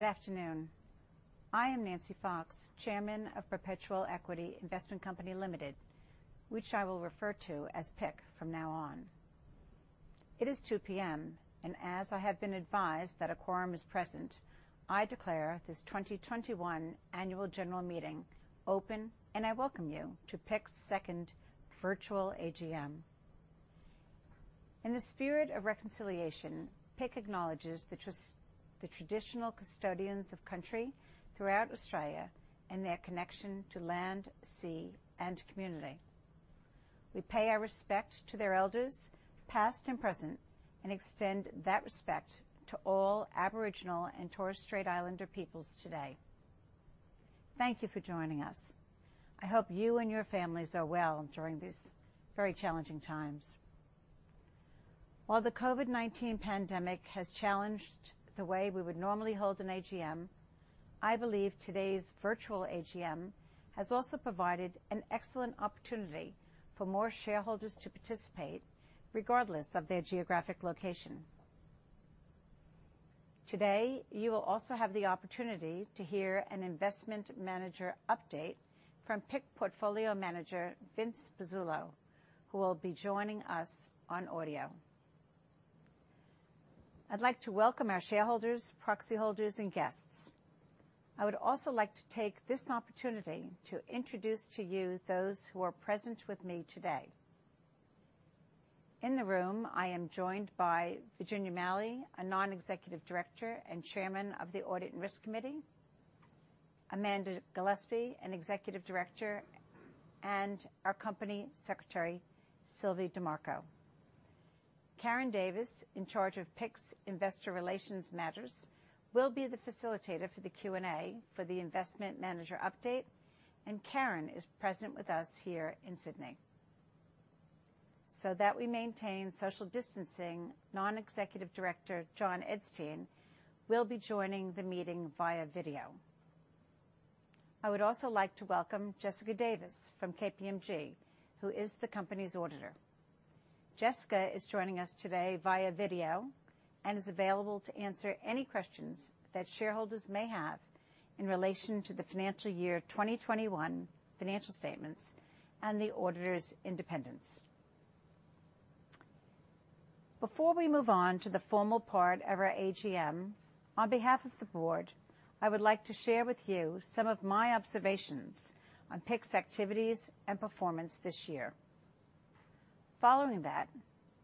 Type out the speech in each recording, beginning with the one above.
Good afternoon. I am Nancy Fox, Chairman of Perpetual Equity Investment Company Limited, which I will refer to as PIC from now on. It is 2:00 P.M., and as I have been advised that a quorum is present, I declare this 2021 annual general meeting open, and I welcome you to PIC's second virtual AGM. In the spirit of reconciliation, PIC acknowledges the traditional custodians of country throughout Australia and their connection to land, sea, and community. We pay our respect to their Elders, past and present, and extend that respect to all Aboriginal and Torres Strait Islander peoples today. Thank you for joining us. I hope you and your families are well during these very challenging times. While the COVID-19 pandemic has challenged the way we would normally hold an AGM, I believe today's virtual AGM has also provided an excellent opportunity for more shareholders to participate regardless of their geographic location. Today, you will also have the opportunity to hear an investment manager update from PIC Portfolio Manager Vince Pezzullo, who will be joining us on audio. I'd like to welcome our shareholders, proxy holders, and guests. I would also like to take this opportunity to introduce to you those who are present with me today. In the room, I am joined by Virginia Malley, a Non-executive Director and Chairman of the Audit and Risk Committee, Amanda Gillespie, an Executive Director, and our Company Secretary, Sylvie Dimarco. Karen Davis, in charge of PIC's investor relations matters, will be the facilitator for the Q&A for the investment manager update, and Karen is present with us here in Sydney. That we maintain social distancing, Non-Executive Director John Edstein will be joining the meeting via video. I would also like to welcome Jessica Davis from KPMG, who is the company's auditor. Jessica is joining us today via video and is available to answer any questions that shareholders may have in relation to the financial year 2021 financial statements and the auditor's independence. Before we move on to the formal part of our AGM, on behalf of the Board, I would like to share with you some of my observations on PIC's activities and performance this year. Following that,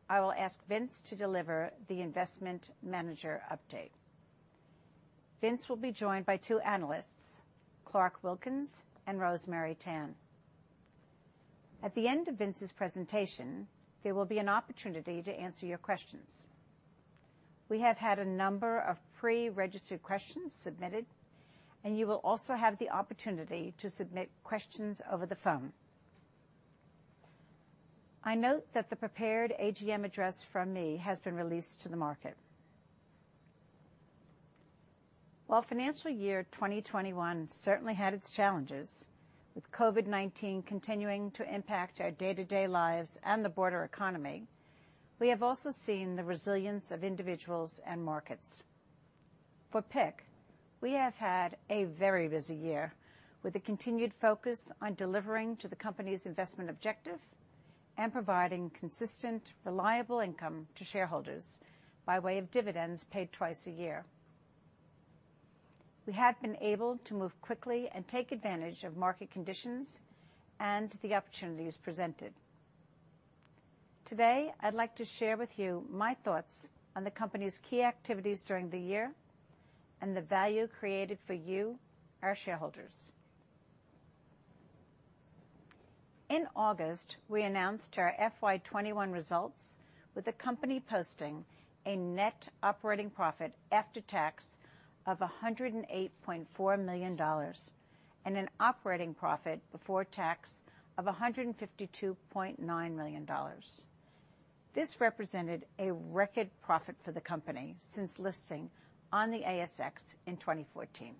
I will ask Vince to deliver the investment manager update. Vince will be joined by two analysts, Clarke Wilkins and Rosemary Tan. At the end of Vince's presentation, there will be an opportunity to answer your questions. We have had a number of pre-registered questions submitted, and you will also have the opportunity to submit questions over the phone. I note that the prepared AGM address from me has been released to the market. While financial year 2021 certainly had its challenges, with COVID-19 continuing to impact our day-to-day lives and the broader economy, we have also seen the resilience of individuals and markets. For PIC, we have had a very busy year with a continued focus on delivering to the Company's investment objective and providing consistent, reliable income to shareholders by way of dividends paid twice a year. We have been able to move quickly and take advantage of market conditions and the opportunities presented. Today, I'd like to share with you my thoughts on the Company's key activities during the year and the value created for you, our shareholders. In August, we announced our FY 2021 results with the company posting a net operating profit after tax of 108.4 million dollars and an operating profit before tax of 152.9 million dollars. This represented a record profit for the company since listing on the ASX in 2014.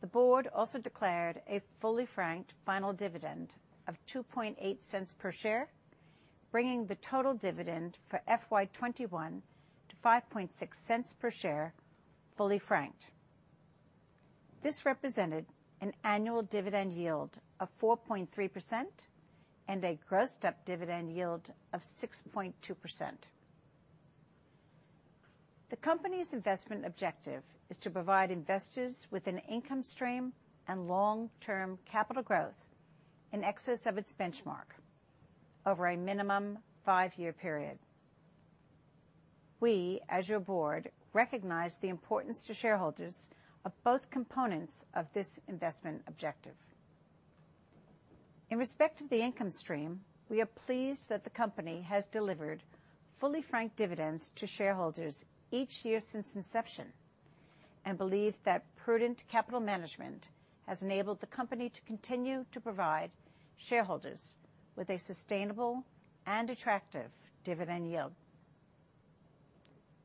The Board also declared a fully franked final dividend of 0.028 per share, bringing the total dividend for FY 2021 to 0.056 per share fully franked. This represented an annual dividend yield of 4.3% and a grossed-up dividend yield of 6.2%. The Company's investment objective is to provide investors with an income stream and long-term capital growth in excess of its benchmark over a minimum five-year period. We, as your Board, recognize the importance to shareholders of both components of this investment objective. In respect of the income stream, we are pleased that the company has delivered fully franked dividends to shareholders each year since inception and believe that prudent capital management has enabled the company to continue to provide shareholders with a sustainable and attractive dividend yield.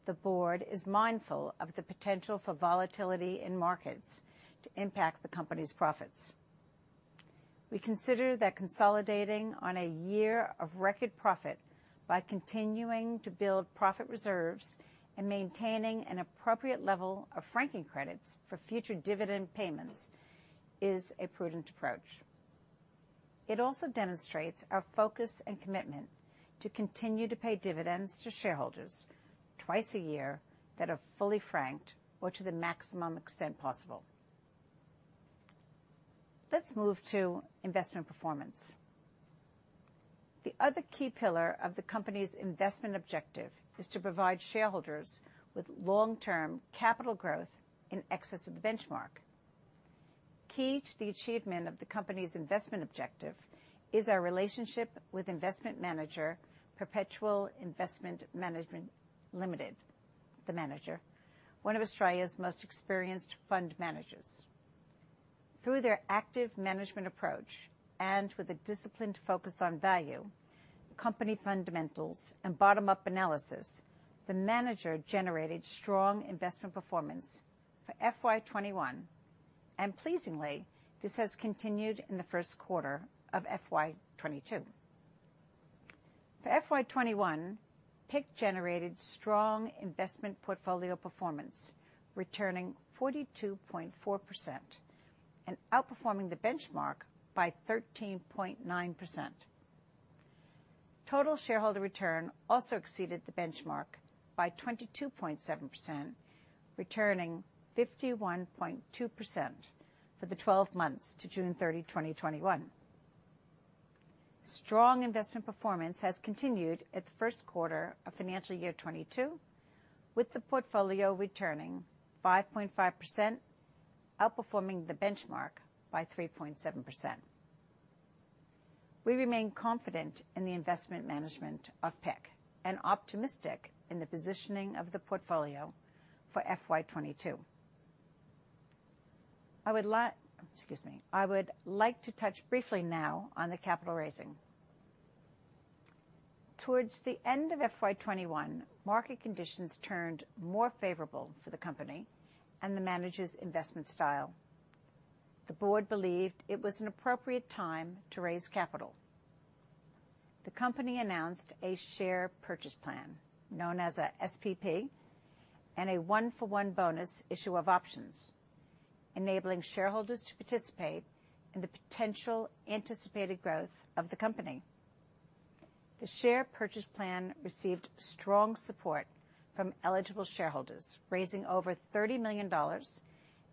The Board is mindful of the potential for volatility in markets to impact the company's profits. We consider that consolidating on a year of record profit by continuing to build profit reserves and maintaining an appropriate level of franking credits for future dividend payments is a prudent approach. It also demonstrates our focus and commitment to continue to pay dividends to shareholders twice a year that are fully franked or to the maximum extent possible. Let's move to investment performance. The other key pillar of the company's investment objective is to provide shareholders with long-term capital growth in excess of the benchmark. Key to the achievement of the company's investment objective is our relationship with investment manager Perpetual Investment Management Limited, the manager, one of Australia's most experienced fund managers. Through their active management approach and with a disciplined focus on value, company fundamentals, and bottom-up analysis, the manager generated strong investment performance for FY 2021, and pleasingly, this has continued in the first quarter of FY 2022. For FY 2021, PIC generated strong investment portfolio performance, returning 42.4% and outperforming the benchmark by 13.9%. Total shareholder return also exceeded the benchmark by 22.7%, returning 51.2% for the 12 months to June 30, 2021. Strong investment performance has continued at the first quarter of financial year 2022, with the portfolio returning 5.5%, outperforming the benchmark by 3.7%. We remain confident in the investment management of PIC and optimistic in the positioning of the portfolio for FY 2022. I would like to touch briefly now on the capital raising. Towards the end of FY 2021, market conditions turned more favorable for the company and the manager's investment style. The Board believed it was an appropriate time to raise capital. The company announced a Share Purchase Plan, known as a SPP, and a 1-for-1 bonus issue of options, enabling shareholders to participate in the potential anticipated growth of the company. The Share Purchase Plan received strong support from eligible shareholders, raising over 30 million dollars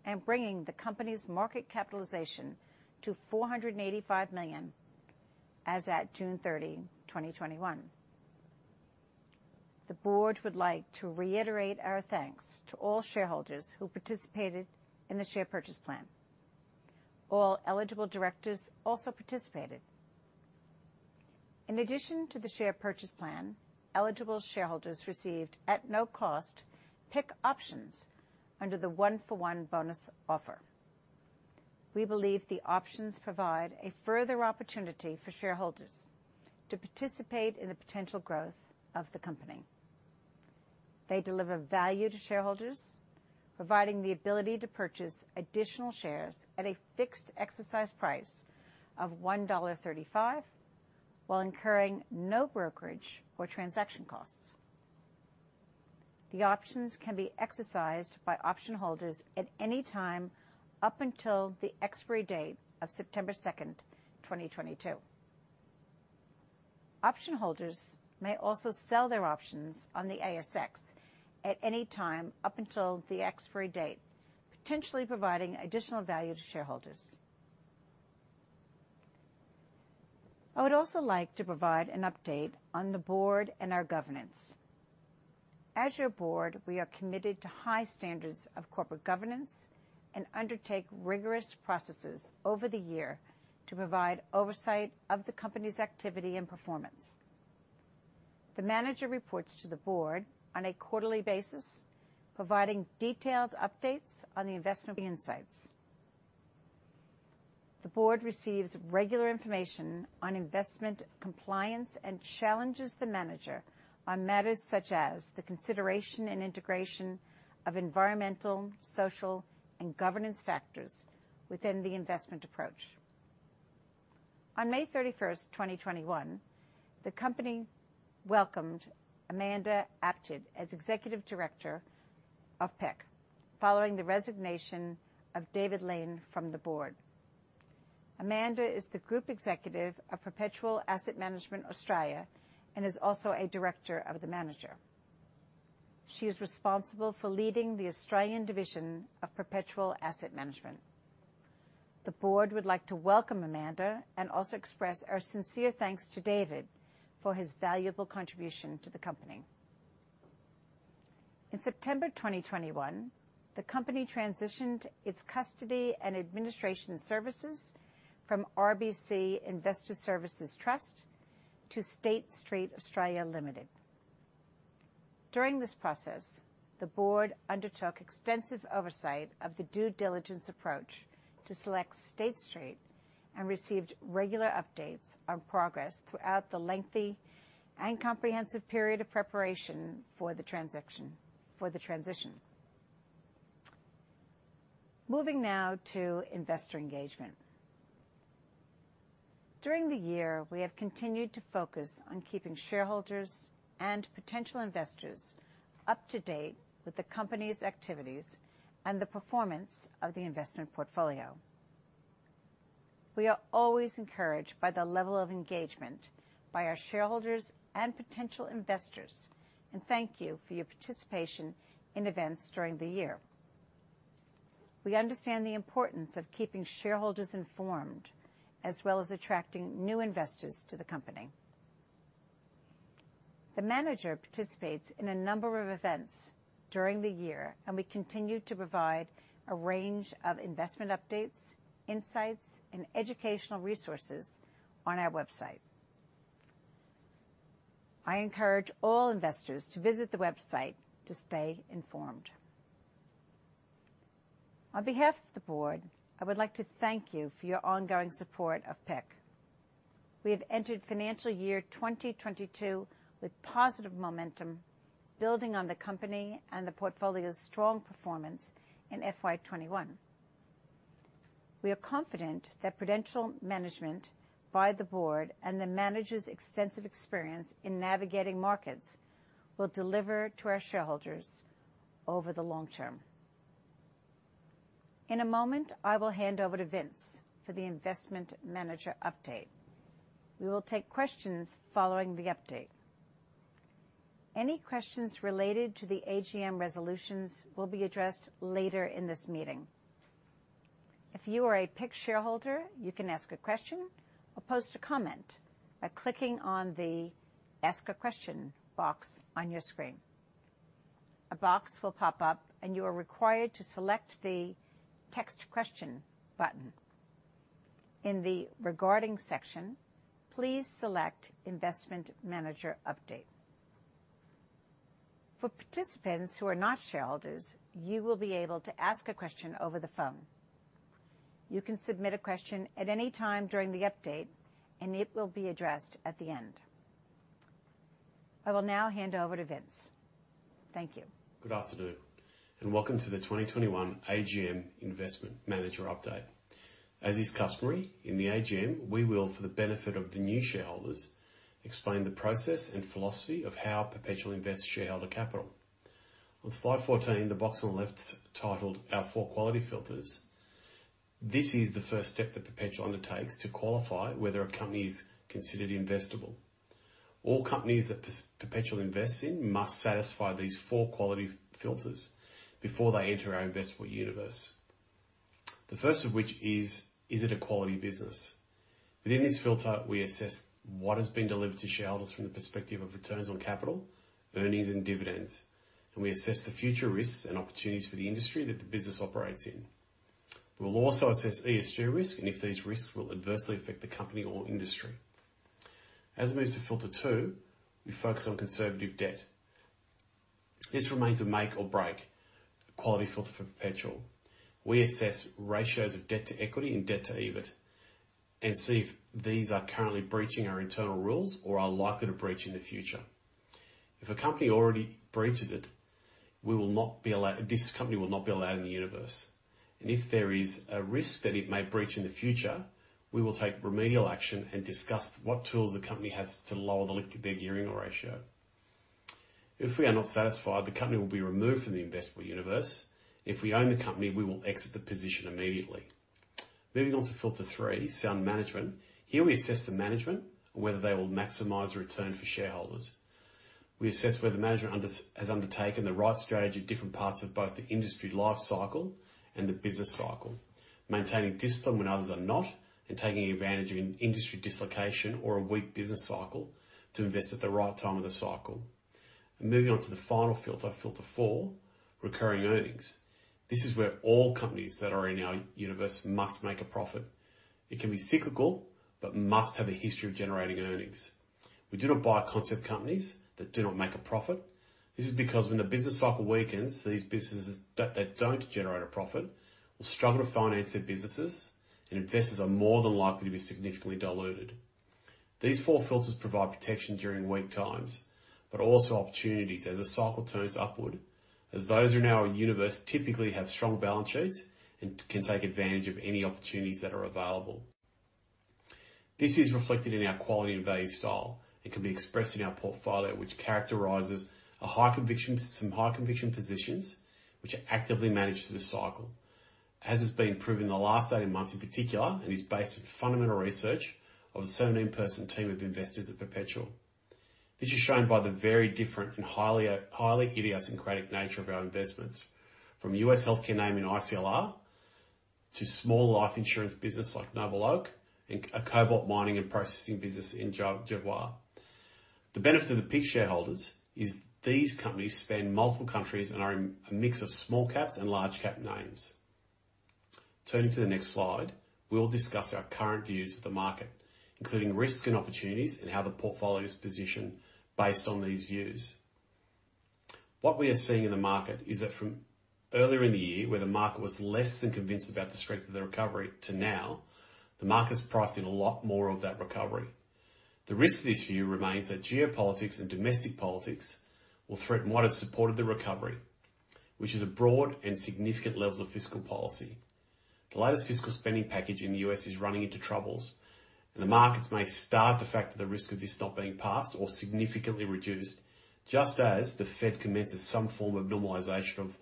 and bringing the company's market capitalization to 485 million as at June 30, 2021. The Board would like to reiterate our thanks to all shareholders who participated in the Share Purchase Plan. All eligible directors also participated. In addition to the Share Purchase Plan, eligible shareholders received, at no cost, PIC options under the 1-for-1 bonus offer. We believe the options provide a further opportunity for shareholders to participate in the potential growth of the company. They deliver value to shareholders, providing the ability to purchase additional shares at a fixed exercise price of 1.35 dollar while incurring no brokerage or transaction costs. The options can be exercised by option holders at any time up until the expiry date of September 2nd, 2022. Option holders may also sell their options on the ASX at any time up until the expiry date, potentially providing additional value to shareholders. I would also like to provide an update on the Board and our governance. As your Board, we are committed to high standards of corporate governance and undertake rigorous processes over the year to provide oversight of the company's activity and performance. The manager reports to the Board on a quarterly basis, providing detailed updates on the investment insights. The Board receives regular information on investment compliance and challenges the manager on matters such as the consideration and integration of environmental, social, and governance factors within the investment approach. On May 31st, 2021, the company welcomed Amanda Apted as Executive Director of PIC, following the resignation of David Lane from the Board. Amanda is the Group Executive of Perpetual Asset Management Australia and is also a Director of the Manager. She is responsible for leading the Australian division of Perpetual Asset Management. The Board would like to welcome Amanda and also express our sincere thanks to David for his valuable contribution to the company. In September 2021, the company transitioned its custody and administration services from RBC Investor Services Trust to State Street Australia Limited. During this process, the Board undertook extensive oversight of the due diligence approach to select State Street and received regular updates on progress throughout the lengthy and comprehensive period of preparation for the transition. Moving now to investor engagement. During the year, we have continued to focus on keeping shareholders and potential investors up to date with the company's activities and the performance of the investment portfolio. We are always encouraged by the level of engagement by our shareholders and potential investors, and thank you for your participation in events during the year. We understand the importance of keeping shareholders informed, as well as attracting new investors to the company. The manager participates in a number of events during the year, and we continue to provide a range of investment updates, insights, and educational resources on our website. I encourage all investors to visit the website to stay informed. On behalf of the Board, I would like to thank you for your ongoing support of PIC. We have entered financial year 2022 with positive momentum, building on the company and the portfolio's strong performance in FY 2021. We are confident that prudential management by the Board and the manager's extensive experience in navigating markets will deliver to our shareholders over the long term. In a moment, I will hand over to Vince for the investment manager update. We will take questions following the update. Any questions related to the AGM resolutions will be addressed later in this meeting. If you are a PIC shareholder, you can ask a question or post a comment by clicking on the Ask a Question box on your screen. A box will pop up, and you are required to select the Text Question button. In the Regarding section, please select Investment Manager Update. For participants who are not shareholders, you will be able to ask a question over the phone. You can submit a question at any time during the update, and it will be addressed at the end. I will now hand over to Vince. Thank you. Good afternoon, welcome to the 2021 AGM Investment Manager Update. As is customary in the AGM, we will, for the benefit of the new shareholders, explain the process and philosophy of how Perpetual invests shareholder capital. On slide 14, the box on the left titled Our Four Quality Filters, this is the first step that Perpetual undertakes to qualify whether a company is considered investable. All companies that Perpetual invests in must satisfy these four quality filters before they enter our investable universe. The first of which is: Is it a quality business? Within this filter, we assess what has been delivered to shareholders from the perspective of returns on capital, earnings, and dividends, and we assess the future risks and opportunities for the industry that the business operates in. We will also assess ESG risk and if these risks will adversely affect the company or industry. As we move to filter two, we focus on conservative debt. This remains a make or break quality filter for Perpetual. We assess ratios of debt to equity and debt to EBIT and see if these are currently breaching our internal rules or are likely to breach in the future. If a company already breaches it, this company will not be allowed in the universe. If there is a risk that it may breach in the future, we will take remedial action and discuss what tools the company has to lower their gearing ratio. If we are not satisfied, the company will be removed from the investable universe. If we own the company, we will exit the position immediately. Moving on to filter three, sound management. Here we assess the management on whether they will maximize return for shareholders. We assess whether management has undertaken the right strategy at different parts of both the industry life cycle and the business cycle, maintaining discipline when others are not, and taking advantage of an industry dislocation or a weak business cycle to invest at the right time of the cycle. Moving on to the final filter four, recurring earnings. This is where all companies that are in our universe must make a profit. It can be cyclical but must have a history of generating earnings. We do not buy concept companies that do not make a profit. This is because when the business cycle weakens, these businesses that don't generate a profit will struggle to finance their businesses, and investors are more than likely to be significantly diluted. These four filters provide protection during weak times, but also opportunities as the cycle turns upward, as those in our universe typically have strong balance sheets and can take advantage of any opportunities that are available. This is reflected in our quality and value style. It can be expressed in our portfolio, which characterizes some high-conviction positions, which are actively managed through the cycle, as has been proven in the last 18 months in particular, and is based on fundamental research of the 17-person team of investors at Perpetual. This is shown by the very different and highly idiosyncratic nature of our investments, from U.S. healthcare name in ICON plc, to small life insurance business like NobleOak, and a cobalt mining and processing business in Jervois. The benefit of the PIC shareholders is these companies span multiple countries and are a mix of small caps and large cap names. Turning to the next slide, we will discuss our current views of the market, including risks and opportunities and how the portfolio is positioned based on these views. What we are seeing in the market is that from earlier in the year, where the market was less than convinced about the strength of the recovery to now, the market's priced in a lot more of that recovery. The risk to this view remains that geopolitics and domestic politics will threaten what has supported the recovery, which is broad and significant levels of fiscal policy. The latest fiscal spending package in the U.S. is running into troubles. The markets may start to factor the risk of this not being passed or significantly reduced, just as the Fed commences some form of normalization of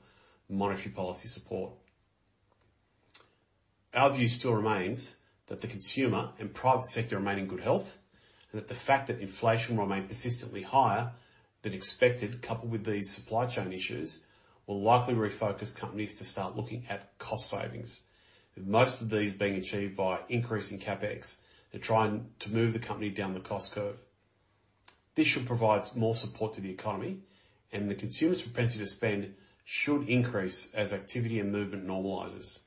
monetary policy support. Our view still remains that the consumer and private sector remain in good health, and that the fact that inflation will remain persistently higher than expected, coupled with these supply chain issues, will likely refocus companies to start looking at cost savings, with most of these being achieved via increasing CapEx and trying to move the company down the cost curve. This should provide more support to the economy, and the consumer's propensity to spend should increase as activity and movement normalizes.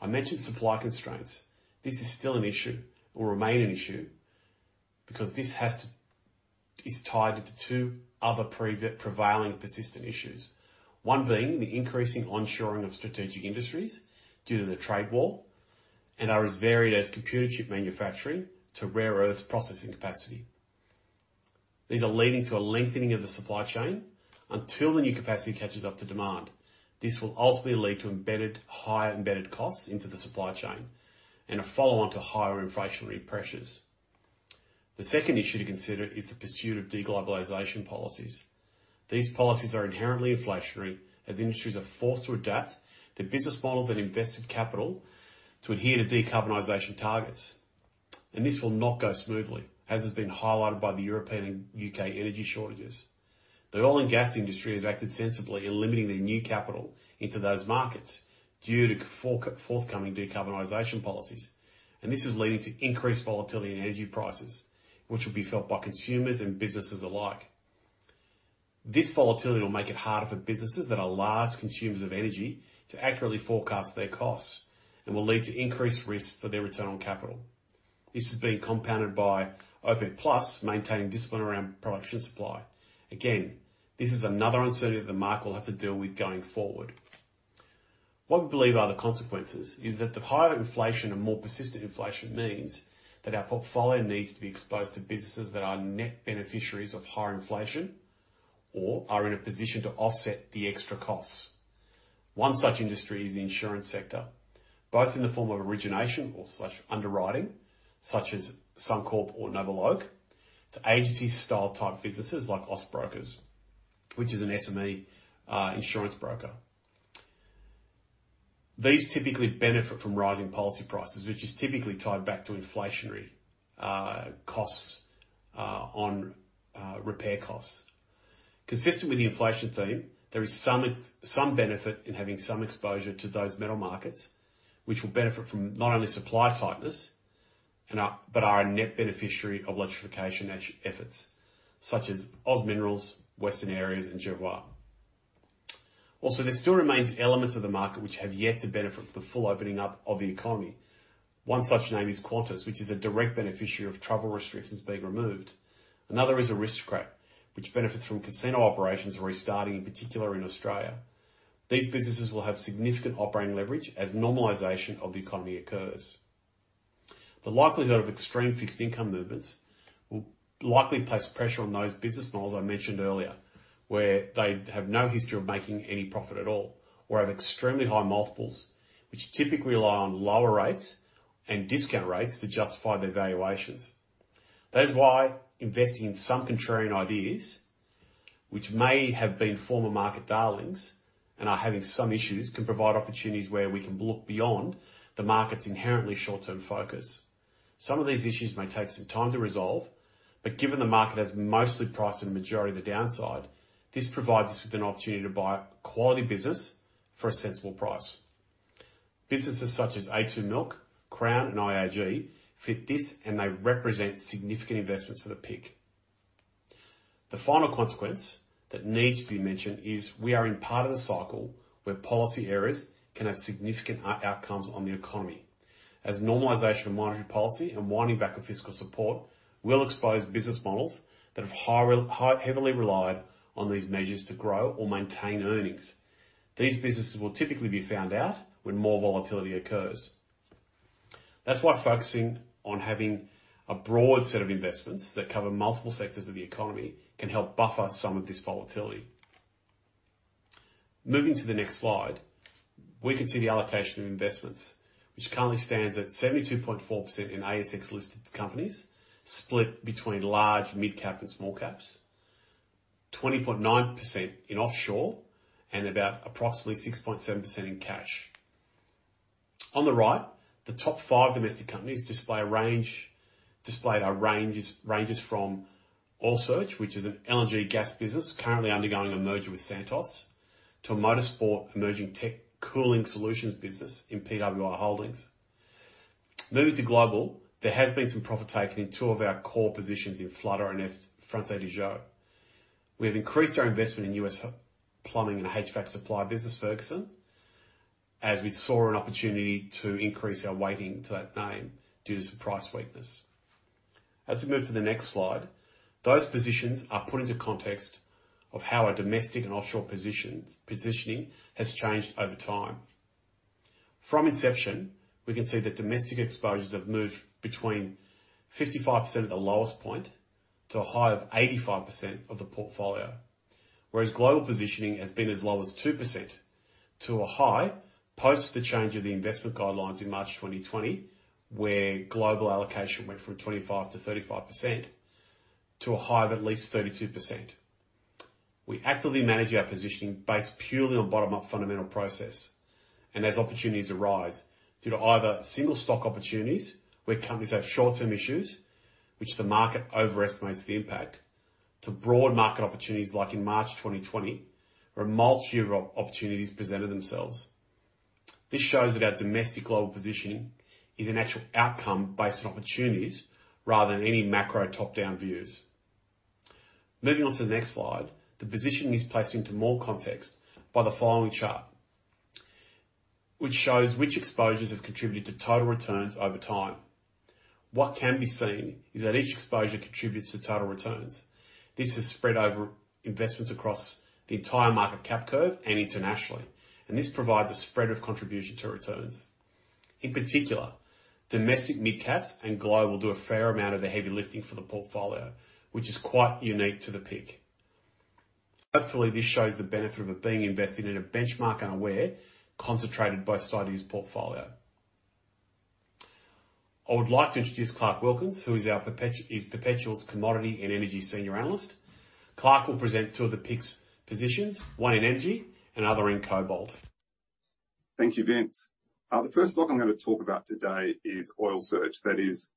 I mentioned supply constraints. This is still an issue, will remain an issue, because this is tied into two other prevailing persistent issues, one being the increasing onshoring of strategic industries due to the trade war, and are as varied as computer chip manufacturing to rare earths processing capacity. These are leading to a lengthening of the supply chain until the new capacity catches up to demand. This will ultimately lead to higher embedded costs into the supply chain, and a follow-on to higher inflationary pressures. The second issue to consider is the pursuit of de-globalization policies. These policies are inherently inflationary as industries are forced to adapt their business models and invested capital to adhere to decarbonization targets. This will not go smoothly, as has been highlighted by the European and U.K. energy shortages. The oil and gas industry has acted sensibly in limiting their new capital into those markets due to forthcoming decarbonization policies, and this is leading to increased volatility in energy prices, which will be felt by consumers and businesses alike. This volatility will make it harder for businesses that are large consumers of energy to accurately forecast their costs and will lead to increased risk for their return on capital. This is being compounded by OPEC+ maintaining discipline around production supply. Again, this is another uncertainty that the market will have to deal with going forward. What we believe are the consequences is that the higher inflation and more persistent inflation means that our portfolio needs to be exposed to businesses that are net beneficiaries of higher inflation or are in a position to offset the extra costs. One such industry is the insurance sector, both in the form of origination or such underwriting, such as Suncorp or NobleOak, to agency-style type businesses like AUB Group, which is an SME insurance broker. These typically benefit from rising policy prices, which is typically tied back to inflationary costs on repair costs. Consistent with the inflation theme, there is some benefit in having some exposure to those metal markets, which will benefit from not only supply tightness, but are a net beneficiary of electrification efforts such as OZ Minerals, Western Areas, and Jervois. There still remains elements of the market which have yet to benefit from the full opening up of the economy. One such name is Qantas, which is a direct beneficiary of travel restrictions being removed. Another is Aristocrat, which benefits from casino operations restarting, in particular in Australia. These businesses will have significant operating leverage as normalization of the economy occurs. The likelihood of extreme fixed income movements will likely place pressure on those business models I mentioned earlier, where they have no history of making any profit at all or have extremely high multiples, which typically rely on lower rates and discount rates to justify their valuations. That is why investing in some contrarian ideas, which may have been former market darlings and are having some issues, can provide opportunities where we can look beyond the market's inherently short-term focus. Some of these issues may take some time to resolve, but given the market has mostly priced in the majority of the downside, this provides us with an opportunity to buy a quality business for a sensible price. Businesses such as A2 Milk, Crown, and IAG fit this, and they represent significant investments for the PIC. The final consequence that needs to be mentioned is we are in part of the cycle where policy errors can have significant outcomes on the economy, as normalization of monetary policy and winding back of fiscal support will expose business models that have heavily relied on these measures to grow or maintain earnings. These businesses will typically be found out when more volatility occurs. That's why focusing on having a broad set of investments that cover multiple sectors of the economy can help buffer some of this volatility. Moving to the next slide, we can see the allocation of investments, which currently stands at 72.4% in ASX-listed companies, split between large, mid-cap, and small-caps, 20.9% in offshore, and about approximately 6.7% in cash. On the right, the top five domestic companies display ranges from Oil Search, which is an LNG gas business currently undergoing a merger with Santos, to a motorsport emerging tech cooling solutions business in PWR Holdings. Moving to global, there has been some profit-taking in two of our core positions in Flutter and Française des Jeux. We have increased our investment in U.S. plumbing and HVAC supply business, Ferguson, as we saw an opportunity to increase our weighting to that name due to some price weakness. As we move to the next slide, those positions are put into context of how our domestic and offshore positioning has changed over time. From inception, we can see that domestic exposures have moved between 55% at the lowest point to a high of 85% of the portfolio. Global positioning has been as low as 2% to a high post the change of the investment guidelines in March 2020, where global allocation went from 25%-35%, to a high of at least 32%. We actively manage our positioning based purely on bottom-up fundamental process, and as opportunities arise due to either single stock opportunities where companies have short-term issues, which the market overestimates the impact, to broad market opportunities like in March 2020, where multi-year opportunities presented themselves. This shows that our domestic global positioning is an actual outcome based on opportunities rather than any macro top-down views. Moving on to the next slide, the positioning is placed into more context by the following chart, which shows which exposures have contributed to total returns over time. What can be seen is that each exposure contributes to total returns. This is spread over investments across the entire market cap curve and internationally, and this provides a spread of contribution to returns. In particular, domestic mid-caps and globe will do a fair amount of the heavy lifting for the portfolio, which is quite unique to the PIC. Hopefully, this shows the benefit of it being invested in a benchmark-unaware, concentrated best ideas portfolio. I would like to introduce Clarke Wilkins, who is Perpetual's Commodity and Energy Senior Analyst. Clarke will present two of the PIC's positions, one in energy and other in cobalt. Thank you, Vince. The first stock I am going to talk about today is Oil Search; that is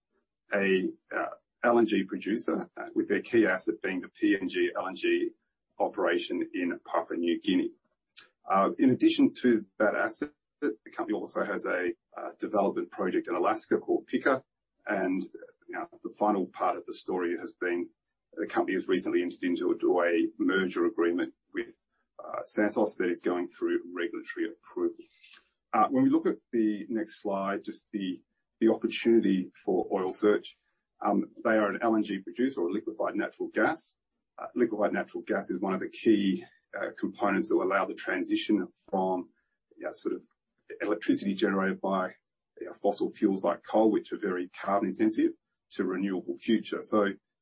an LNG producer, with their key asset being the PNG LNG operation in Papua New Guinea. In addition to that asset, the company also has a development project in Alaska called Pikka. The final part of the story has been the company has recently entered into a merger agreement with Santos that is going through regulatory approval. When we look at the next slide, just the opportunity for Oil Search. They are an LNG producer or liquefied natural gas. Liquefied natural gas is one of the key components that will allow the transition from electricity generated by fossil fuels like coal, which are very carbon intensive, to renewable future.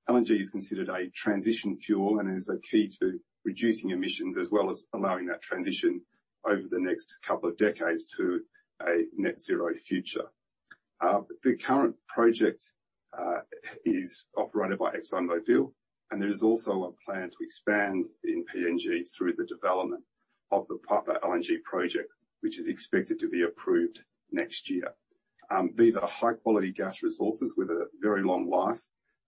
LNG is considered a transition fuel and is a key to reducing emissions as well as allowing that transition over the next couple of decades to a net zero future. The current project is operated by ExxonMobil, and there is also a plan to expand in PNG through the development of the Papua LNG project, which is expected to be approved next year. These are high-quality gas resources with a very long life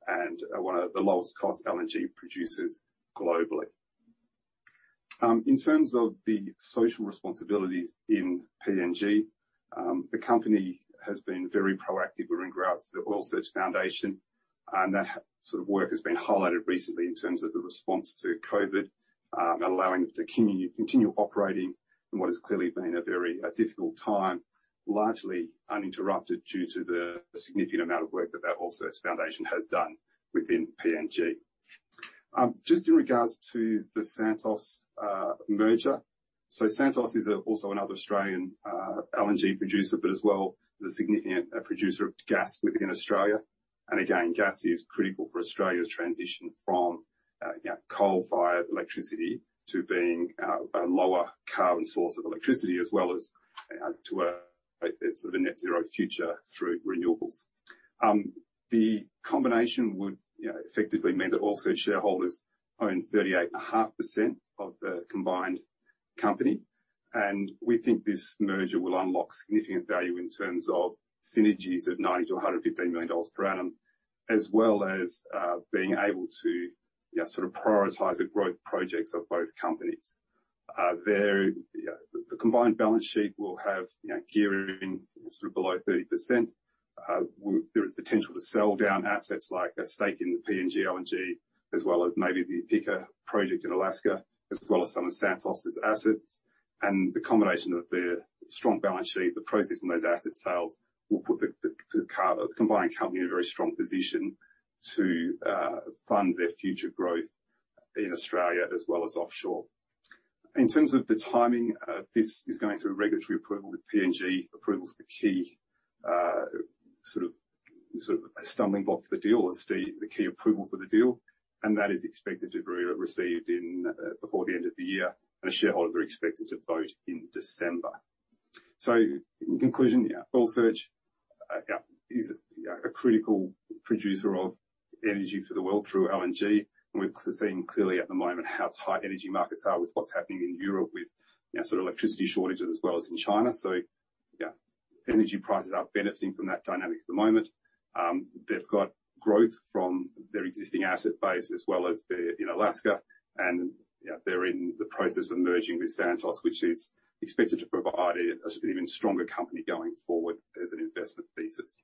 and one of the lowest cost LNG producers globally. In terms of the social responsibilities in PNG, the company has been very proactive in regards to the Oil Search Foundation, and that work has been highlighted recently in terms of the response to COVID-19, allowing them to continue operating in what has clearly been a very difficult time, largely uninterrupted due to the significant amount of work that Oil Search Foundation has done within PNG. Just in regards to the Santos merger. Santos is also another Australian LNG producer, but as well is a significant producer of gas within Australia. Again, gas is critical for Australia's transition from coal-fired electricity to being a lower carbon source of electricity, as well as to a net zero future through renewables. The combination would effectively mean that Oil Search shareholders own 38.5% of the combined company, and we think this merger will unlock significant value in terms of synergies of 90 million-115 million dollars per annum, as well as being able to prioritize the growth projects of both companies. The combined balance sheet will have gearing below 30%. There is potential to sell down assets like a stake in the PNG LNG, as well as maybe the Pikka project in Alaska, as well as some of Santos' assets. The combination of the strong balance sheet, the proceeds from those asset sales will put the combined company in a very strong position to fund their future growth in Australia as well as offshore. In terms of the timing, this is going through regulatory approval with PNG approval as the key stumbling block for the deal or the key approval for the deal, and that is expected to be received before the end of the year, and the shareholders are expected to vote in December. In conclusion, Oil Search is a critical producer of energy for the world through LNG. We're seeing clearly at the moment how tight energy markets are with what's happening in Europe with electricity shortages as well as in China. Energy prices are benefiting from that dynamic at the moment. They've got growth from their existing asset base as well as in Alaska, and they're in the process of merging with Santos, which is expected to provide an even stronger company going forward as an investment thesis.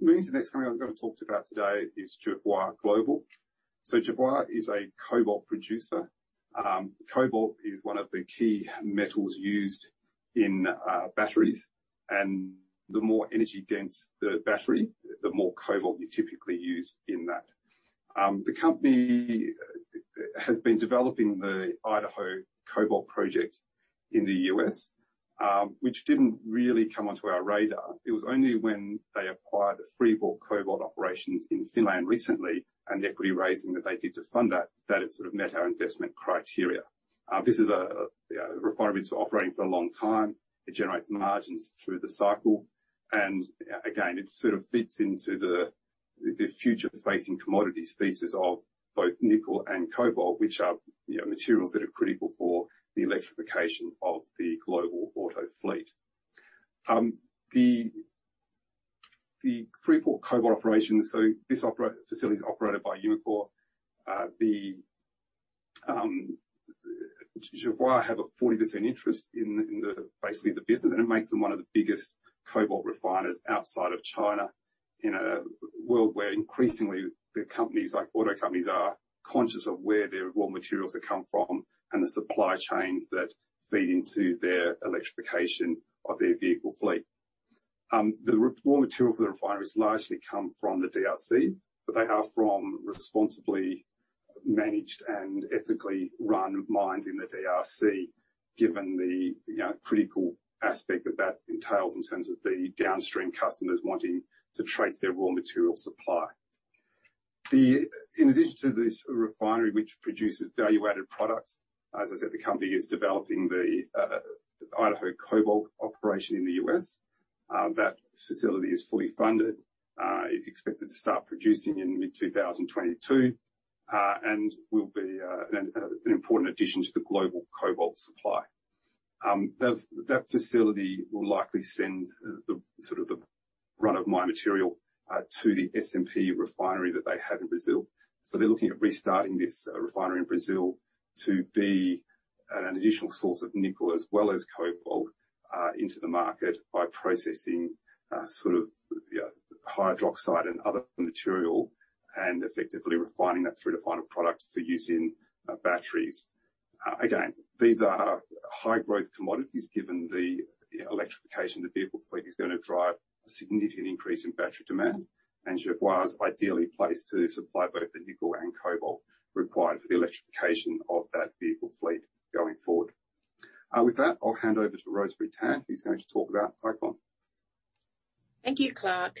Moving to the next company I'm going to talk about today is Jervois Global. Jervois is a cobalt producer. Cobalt is one of the key metals used in batteries, and the more energy-dense the battery, the more cobalt you typically use in that. The company has been developing the Idaho Cobalt Operations in the U.S., which didn't really come onto our radar. It was only when they acquired the Freeport Cobalt operations in Finland recently, and the equity raising that they did to fund that it sort of met our investment criteria. This is a refinery that's been operating for a long time. It generates margins through the cycle, and again, it sort of fits into the future-facing commodities thesis of both nickel and cobalt, which are materials that are critical for the electrification of the global auto fleet. The Freeport Cobalt operations, this facility is operated by Umicore. Jervois have a 40% interest in basically the business, it makes them one of the biggest cobalt refiners outside of China. In a world where increasingly the companies, like auto companies, are conscious of where their raw materials have come from and the supply chains that feed into their electrification of their vehicle fleet. The raw material for the refineries largely come from the DRC, they are from responsibly managed and ethically run mines in the DRC, given the critical aspect that entails in terms of the downstream customers wanting to trace their raw material supply. In addition to this refinery, which produces value-added products, as I said, the company is developing the Idaho Cobalt Operations in the U.S. That facility is fully funded. It's expected to start producing in mid-2022, and will be an important addition to the global cobalt supply. That facility will likely send the run-of-mine material to the SMP refinery that they have in Brazil. They're looking at restarting this refinery in Brazil to be an additional source of nickel as well as cobalt into the market by processing hydroxide and other material and effectively refining that through to final product for use in batteries. Again, these are high-growth commodities, given the electrification of the vehicle fleet is going to drive a significant increase in battery demand, and Jervois is ideally placed to supply both the nickel and cobalt required for the electrification of that vehicle fleet going forward. With that, I'll hand over to Rosemary Tan, who's going to talk about ICON. Thank you, Clarke.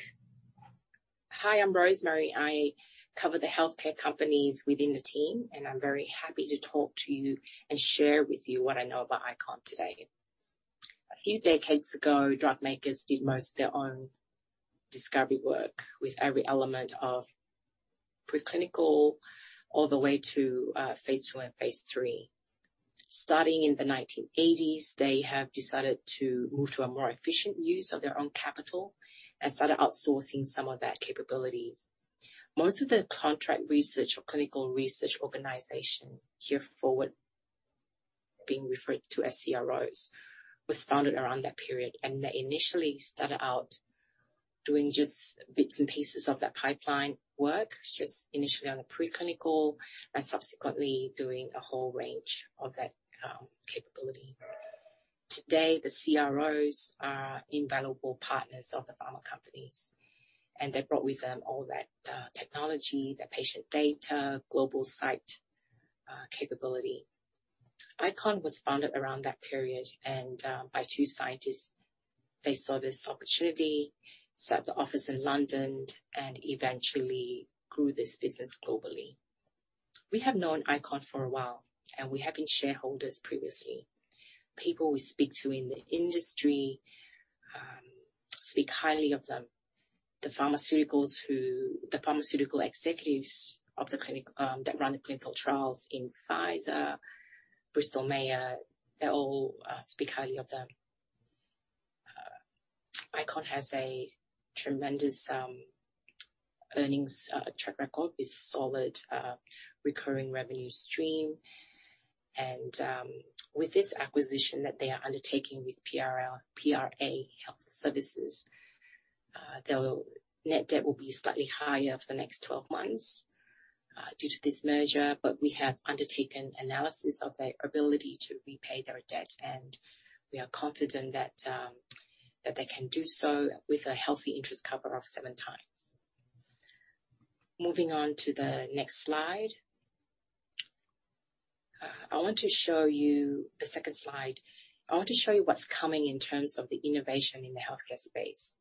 Hi, I'm Rosemary. I cover the healthcare companies within the team. I'm very happy to talk to you and share with you what I know about ICON today. A few decades ago, drug makers did most of their own discovery work with every element of preclinical all the way to phase II and phase III. Starting in the 1980s, they have decided to move to a more efficient use of their own capital and started outsourcing some of that capabilities. Most of the contract research or clinical research organizations, hereafter being referred to as CROs, were founded around that period, and they initially started out doing just bits and pieces of that pipeline work, just initially on a preclinical, and subsequently doing a whole range of that capability. Today, the CROs are invaluable partners of the pharma companies, and they brought with them all that technology, that patient data, global site capability. ICON was founded around that period and by two scientists. They saw this opportunity, set up the office in London, and eventually grew this business globally. We have known ICON for a while, and we have been shareholders previously. People we speak to in the industry speak highly of them. The pharmaceutical executives that run the clinical trials in Pfizer, Bristol-Myers, they all speak highly of them. ICON has a tremendous earnings track record with solid recurring revenue stream. With this acquisition that they are undertaking with PRA Health Sciences, their net debt will be slightly higher over the next 12 months due to this merger, but we have undertaken analysis of their ability to repay their debt, and we are confident that they can do so with a healthy interest cover of 7x. Moving on to the next slide. I want to show you the second slide. I want to show you what's coming in terms of the innovation in the healthcare space.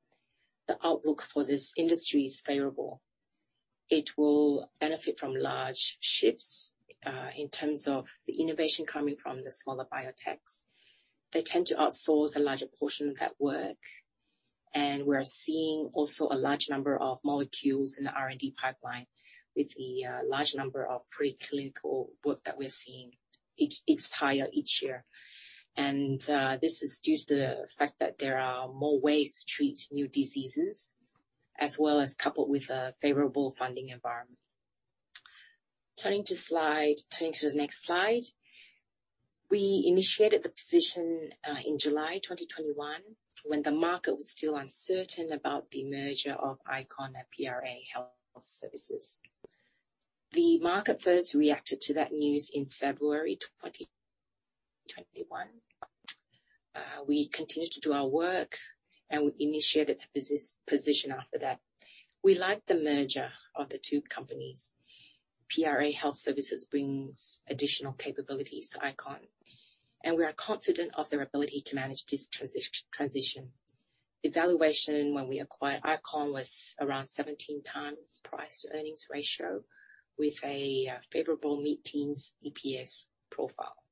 The outlook for this industry is favorable. It will benefit from large shifts in terms of the innovation coming from the smaller biotechs. They tend to outsource a larger portion of that work, and we're seeing also a large number of molecules in the R&D pipeline with the large number of preclinical work that we're seeing. It's higher each year. This is due to the fact that there are more ways to treat new diseases, as well as coupled with a favorable funding environment. Turning to the next slide. We initiated the position in July 2021 when the market was still uncertain about the merger of ICON and PRA Health Sciences. The market first reacted to that news in February 2021. We continued to do our work and we initiated the position after that. We like the merger of the two companies. PRA Health Sciences brings additional capabilities to ICON, and we are confident of their ability to manage this transition. The valuation when we acquired ICON was around 17x price-to-earnings ratio with a favorable mid-teens EPS profile.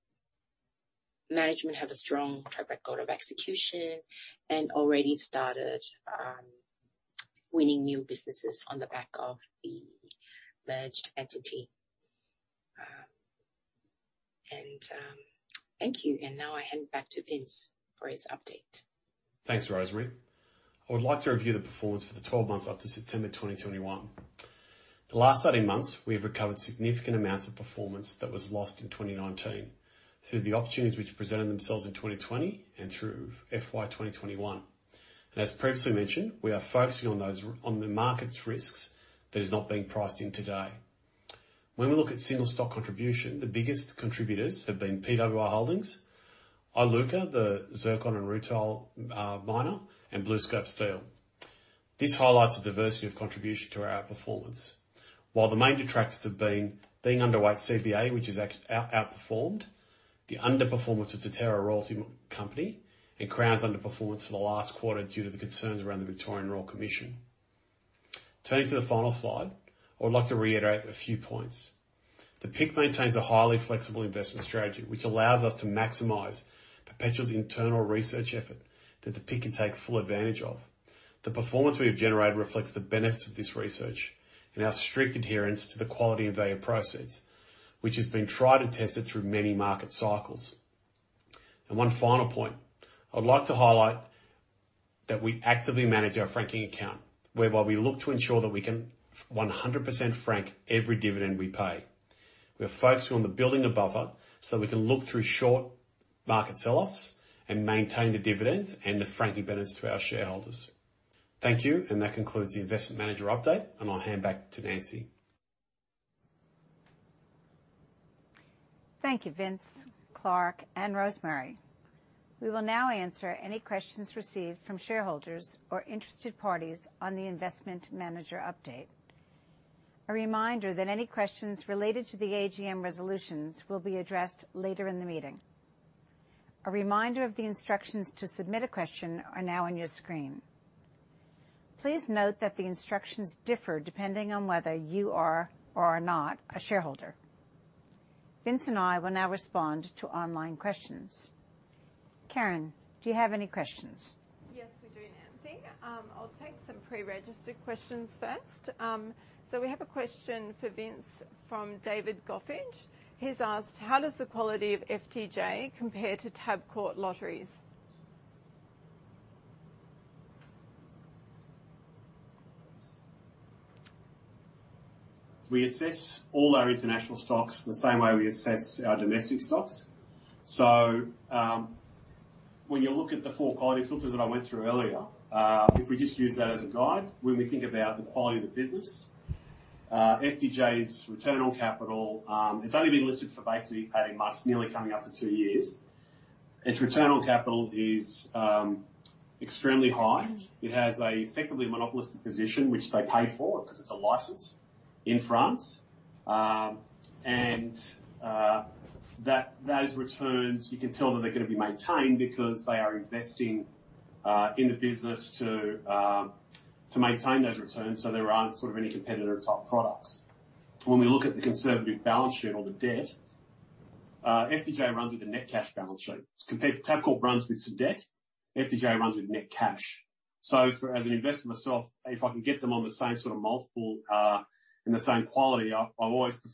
Management have a strong track record of execution and already started winning new businesses on the back of the merged entity. Thank you. Now I hand back to Vince for his update. Thanks, Rosemary. I would like to review the performance for the 12 months up to September 2021. The last 18 months, we have recovered significant amounts of performance that was lost in 2019 through the opportunities which presented themselves in 2020 and through FY 2021. As previously mentioned, we are focusing on the market's risks that is not being priced in today. When we look at single stock contribution, the biggest contributors have been PWR Holdings, Iluka, the zircon and rutile miner, and BlueScope Steel. This highlights the diversity of contribution to our outperformance. While the main detractors have been being underweight CBA, which has outperformed, the underperformance of Deterra Royalties, and Crown's underperformance for the last quarter due to the concerns around the Victorian Royal Commission. Turning to the final slide, I would like to reiterate a few points. The PIC maintains a highly flexible investment strategy which allows us to maximize Perpetual's internal research effort that the PIC can take full advantage of. The performance we have generated reflects the benefits of this research and our strict adherence to the quality and value process, which has been tried and tested through many market cycles. One final point. I would like to highlight that we actively manage our franking account, whereby we look to ensure that we can 100% frank every dividend we pay. We are focusing on the building a buffer so we can look through short market sell-offs and maintain the dividends and the franking benefits to our shareholders. Thank you, and that concludes the investment manager update, and I'll hand back to Nancy. Thank you, Vince, Clarke, and Rosemary. We will now answer any questions received from shareholders or interested parties on the investment manager update. A reminder that any questions related to the AGM resolutions will be addressed later in the meeting. A reminder of the instructions to submit a question are now on your screen. Please note that the instructions differ depending on whether you are or are not a shareholder. Vince and I will now respond to online questions. Karen, do you have any questions? Yes, we do, Nancy. I'll take some pre-registered questions first. We have a question for Vince from David Goffin. He's asked, "How does the quality of FDJ compare to Tabcorp Lotteries? We assess all our international stocks the same way we assess our domestic stocks. When you look at the four quality filters that I went through earlier, if we just use that as a guide, when we think about the quality of the business, FDJ's return on capital, it's only been listed for basically 18 months, nearly coming up to two years. Its return on capital is extremely high. It has a effectively monopolistic position, which they paid for because it's a license in France. Those returns, you can tell that they're going to be maintained because they are investing in the business to maintain those returns, so there aren't sort of any competitor type products. When we look at the conservative balance sheet or the debt, FDJ runs with a net cash balance sheet. Compare, Tabcorp runs with some debt, FDJ runs with net cash. As an investor myself, if I can get them on the same sort of multiple, and the same quality, with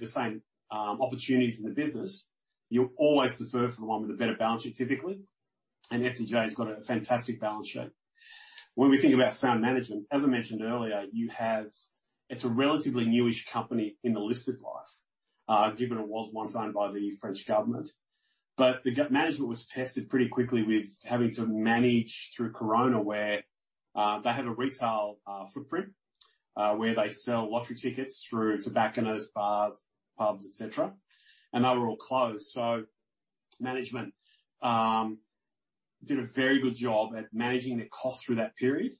the same opportunities in the business, you'll always prefer the one with a better balance sheet, typically. FDJ has got a fantastic balance sheet. When we think about sound management, as I mentioned earlier, it's a relatively new-ish company in the listed life, given it was once owned by the French government. The management was tested pretty quickly with having to manage through COVID-19 where they had a retail footprint, where they sell lottery tickets through tobacconists, bars, pubs, et cetera, and they were all closed. Management did a very good job at managing their costs through that period.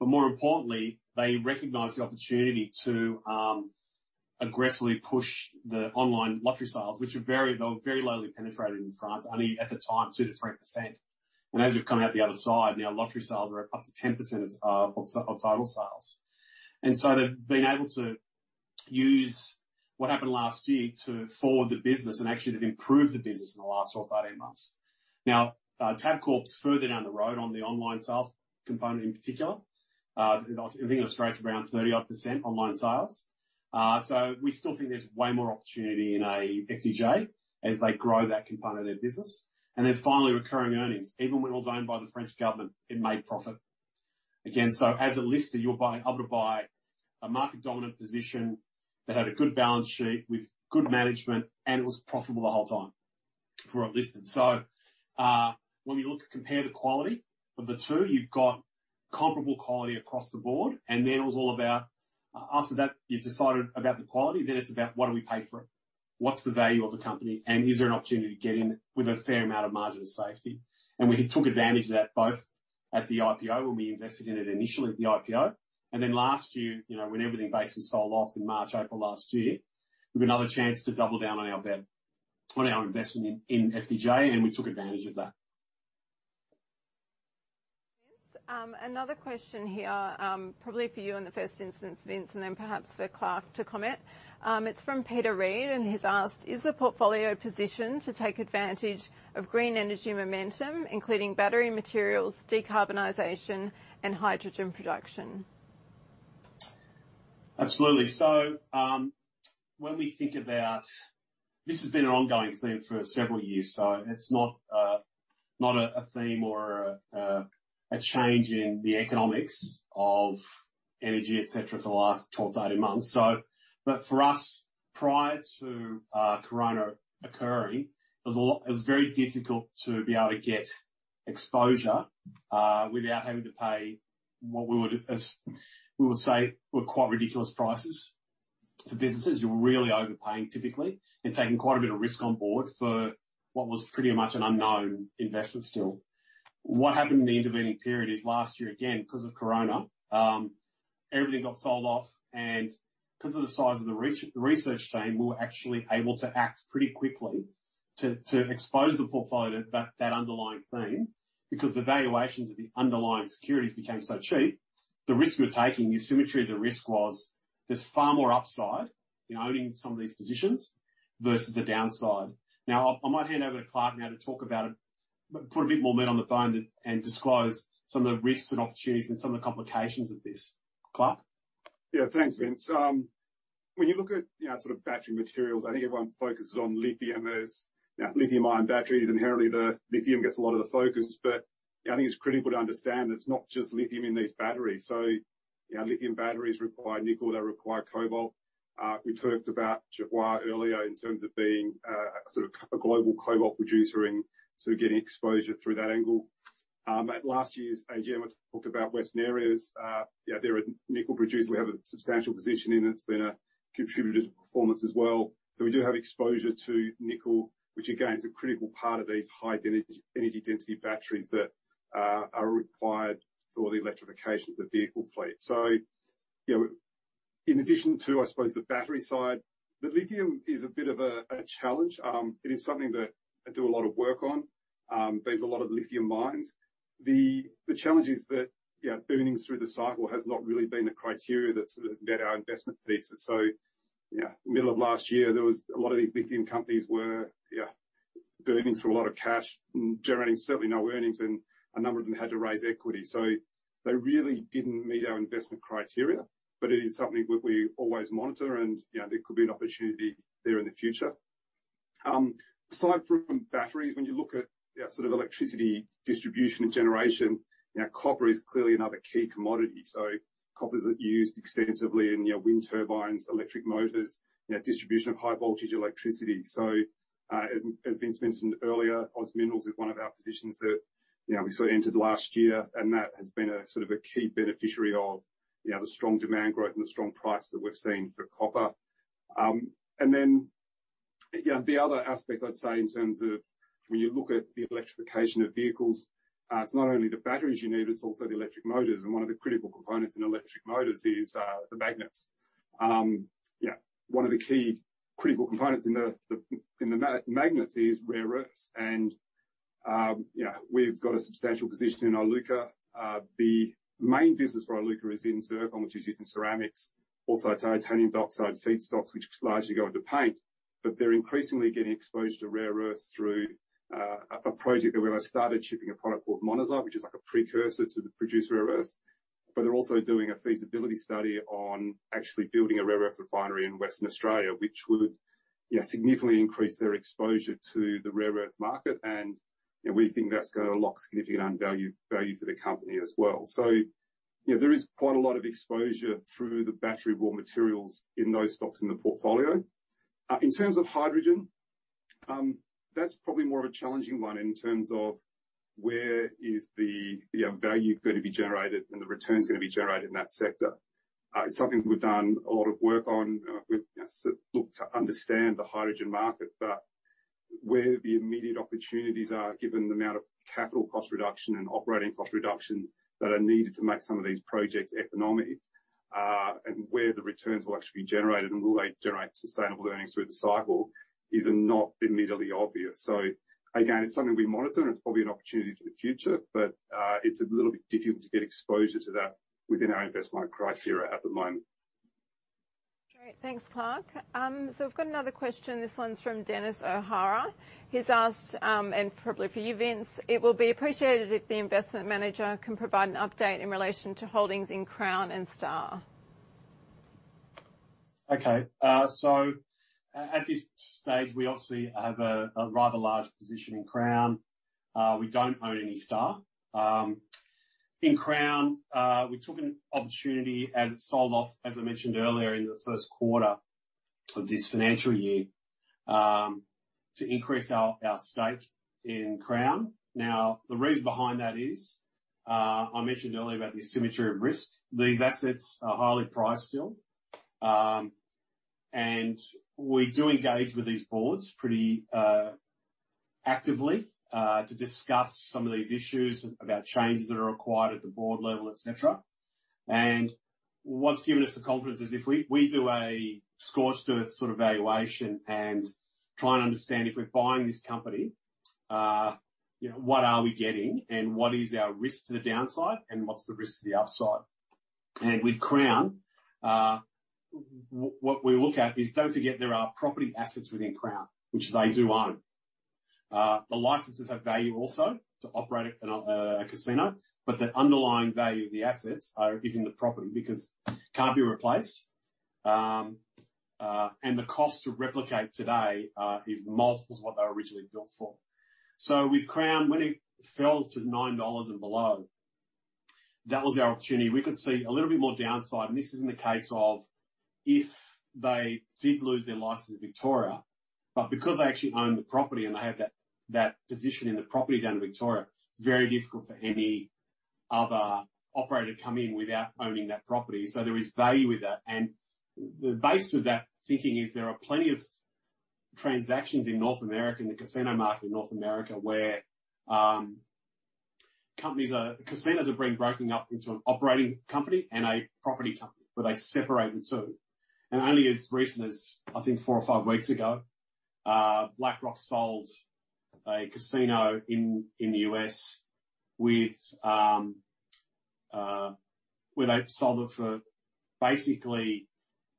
More importantly, they recognized the opportunity to aggressively push the online lottery sales, which were very lowly penetrated in France, only at the time, 2%-3%. As we've come out the other side, now lottery sales are up to 10% of total sales. They've been able to use what happened last year to forward the business, and actually they've improved the business in the last sort of 18 months. Tabcorp's further down the road on the online sales component in particular. I think in Australia, it's around 30%-odd online sales. We still think there's way more opportunity in an FDJ as they grow that component of their business. Finally, recurring earnings. Even when it was owned by the French government, it made profit. As an LIC, you're able to buy a market dominant position that had a good balance sheet with good management, and it was profitable the whole time for a listing. When we compare the quality of the two, you've got comparable quality across the Board, and then it was all about. After that, you've decided about the quality, then it's about what do we pay for it? What's the value of the company, and is there an opportunity to get in with a fair amount of margin of safety? We took advantage of that both at the IPO, when we invested in it initially at the IPO, and then last year, when everything basically sold off in March, April last year, we got another chance to double down on our bet, on our investment in FDJ, and we took advantage of that. Vince, another question here, probably for you in the first instance, Vince, and then perhaps for Clarke to comment. It's from Peter Reid, and he's asked, "Is the portfolio positioned to take advantage of green energy momentum, including battery materials, decarbonization, and hydrogen production? Absolutely. This has been an ongoing theme for several years, so it's not a theme or a change in the economics of energy, et cetera, for the last 12-18 months. For us, prior to corona occurring, it was very difficult to be able to get exposure without having to pay what we would say were quite ridiculous prices for businesses. You're really overpaying typically and taking quite a bit of risk on Board for what was pretty much an unknown investment still. What happened in the intervening period is last year, again, because of corona, everything got sold off, and because of the size of the research team, we were actually able to act pretty quickly to expose the portfolio to that underlying theme. The valuations of the underlying securities became so cheap, the risk we were taking, the symmetry of the risk was there's far more upside in owning some of these positions versus the downside. I might hand over to Clarke now to talk about it, put a bit more meat on the bone and disclose some of the risks and opportunities and some of the complications of this. Clarke? Thanks, Vince. When you look at battery materials, I think everyone focuses on lithium. Lithium-ion batteries, inherently, the lithium gets a lot of the focus. I think it's critical to understand that it's not just lithium in these batteries. Lithium batteries require nickel, they require cobalt. We talked about Jervois earlier in terms of being a global cobalt producer and getting exposure through that angle. At last year's AGM, I talked about Western Areas. They're a nickel producer. We have a substantial position in it. It's been a contributor to performance as well. We do have exposure to nickel, which again, is a critical part of these high energy density batteries that are required for the electrification of the vehicle fleet. In addition to, I suppose, the battery side, the lithium is a bit of a challenge. It is something that I do a lot of work on. There's a lot of lithium mines. The challenges that burning through the cycle has not really been a criteria that has met our investment thesis. Middle of last year, there was a lot of these lithium companies were burning through a lot of cash and generating certainly no earnings, and a number of them had to raise equity. They really didn't meet our investment criteria, but it is something that we always monitor, and there could be an opportunity there in the future. Aside from batteries, when you look at electricity distribution and generation, copper is clearly another key commodity. Copper is used extensively in wind turbines, electric motors, distribution of high voltage electricity. As Vince mentioned earlier, OZ Minerals is one of our positions that we entered last year, and that has been a key beneficiary of the strong demand growth and the strong price that we've seen for copper. The other aspect, I'd say, in terms of when you look at the electrification of vehicles, it's not only the batteries you need, it's also the electric motors. One of the critical components in electric motors is the magnets. One of the key critical components in the magnets is rare earths, and we've got a substantial position in Iluka. The main business for Iluka is in zircon, which is used in ceramics, also titanium dioxide feedstocks, which largely go into paint. They're increasingly getting exposure to rare earths through a project that we have started shipping a product called monazite, which is like a precursor to the produced rare earths. They're also doing a feasibility study on actually building a rare earths refinery in Western Australia, which would significantly increase their exposure to the rare earth market. We think that's going to unlock significant value for the company as well. There is quite a lot of exposure through the battery raw materials in those stocks in the portfolio. In terms of hydrogen, that's probably more of a challenging one in terms of where is the value going to be generated and the returns going to be generated in that sector. It's something we've done a lot of work on. We've looked to understand the hydrogen market, but where the immediate opportunities are given the amount of capital cost reduction and operating cost reduction that are needed to make some of these projects economic, and where the returns will actually be generated, and will they generate sustainable earnings through the cycle is not immediately obvious. Again, it's something we monitor, and it's probably an opportunity for the future, but it's a little bit difficult to get exposure to that within our investment criteria at the moment. Great. Thanks, Clarke. We've got another question. This one's from Dennis O'Hara. He's asked, and probably for you, Vince, "It will be appreciated if the investment manager can provide an update in relation to holdings in Crown and Star. At this stage, we obviously have a rather large position in Crown. We don't own any Star. In Crown, we took an opportunity as it sold off, as I mentioned earlier, in the first quarter of this financial year to increase our stake in Crown. The reason behind that is, I mentioned earlier about the asymmetry of risk. These assets are highly priced still. We do engage with these boards pretty actively, to discuss some of these issues about changes that are required at the Board level, et cetera. What's given us the confidence is if we do a scorched earth sort of valuation and try and understand if we're buying this company, what are we getting and what is our risk to the downside and what's the risk to the upside. With Crown, what we look at is don't forget there are property assets within Crown, which they do own. The licenses have value also to operate a casino, but the underlying value of the assets is in the property because it can't be replaced. The cost to replicate today is multiples of what they originally built for. With Crown, when it fell to 9 dollars and below, that was our opportunity. We could see a little bit more downside, and this is in the case of if they did lose their license in Victoria, but because they actually own the property and they have that position in the property down in Victoria, it's very difficult for any other operator to come in without owning that property. There is value with that. The base of that thinking is there are plenty of transactions in North America, in the casino market in North America, where casinos are being broken up into an operating company and a property company, where they separate the two. Only as recent as, I think, four or five weeks ago, Blackstone sold a casino in the U.S. where they sold it for basically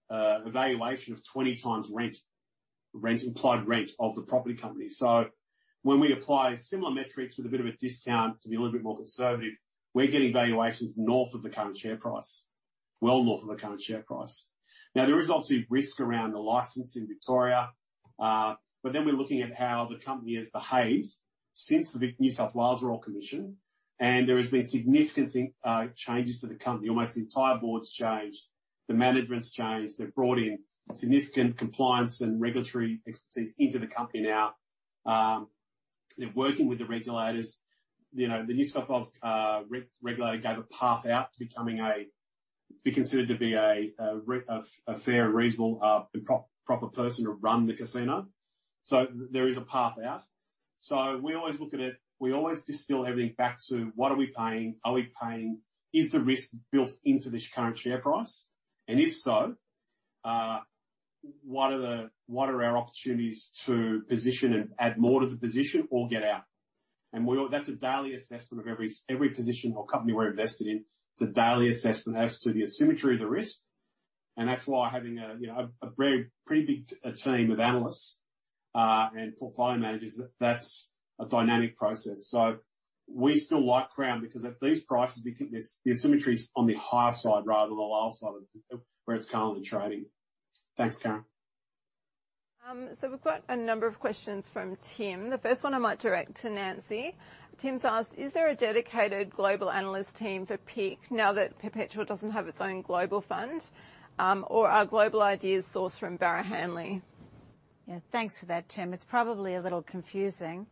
a valuation of 20x rent, implied rent of the property company. When we apply similar metrics with a bit of a discount to be a little bit more conservative, we're getting valuations north of the current share price, well north of the current share price. There is obviously risk around the license in Victoria. We're looking at how the company has behaved since the New South Wales Royal Commission, and there has been significant changes to the company. Almost the entire Board's changed, the management's changed. They've brought in significant compliance and regulatory expertise into the company now. They're working with the regulators. The New South Wales regulator gave a path out to be considered to be a fair and reasonable proper person to run the casino. There is a path out. We always look at it, we always distill everything back to what are we paying? Is the risk built into this current share price? If so, what are our opportunities to position and add more to the position or get out? That's a daily assessment of every position or company we're invested in. It's a daily assessment as to the asymmetry of the risk. That's why having a very pretty big team of analysts, and portfolio managers, that's a dynamic process. We still like Crown because at these prices, we think the asymmetry is on the higher side rather than the lower side of where it's currently trading. Thanks, Karen. We've got a number of questions from Tim. The first one I might direct to Nancy. Tim's asked, "Is there a dedicated global analyst team for PIC now that Perpetual doesn't have its own global fund? Or are global ideas sourced from Barrow Hanley? Yeah, thanks for that, Tim. It is probably a little confusing.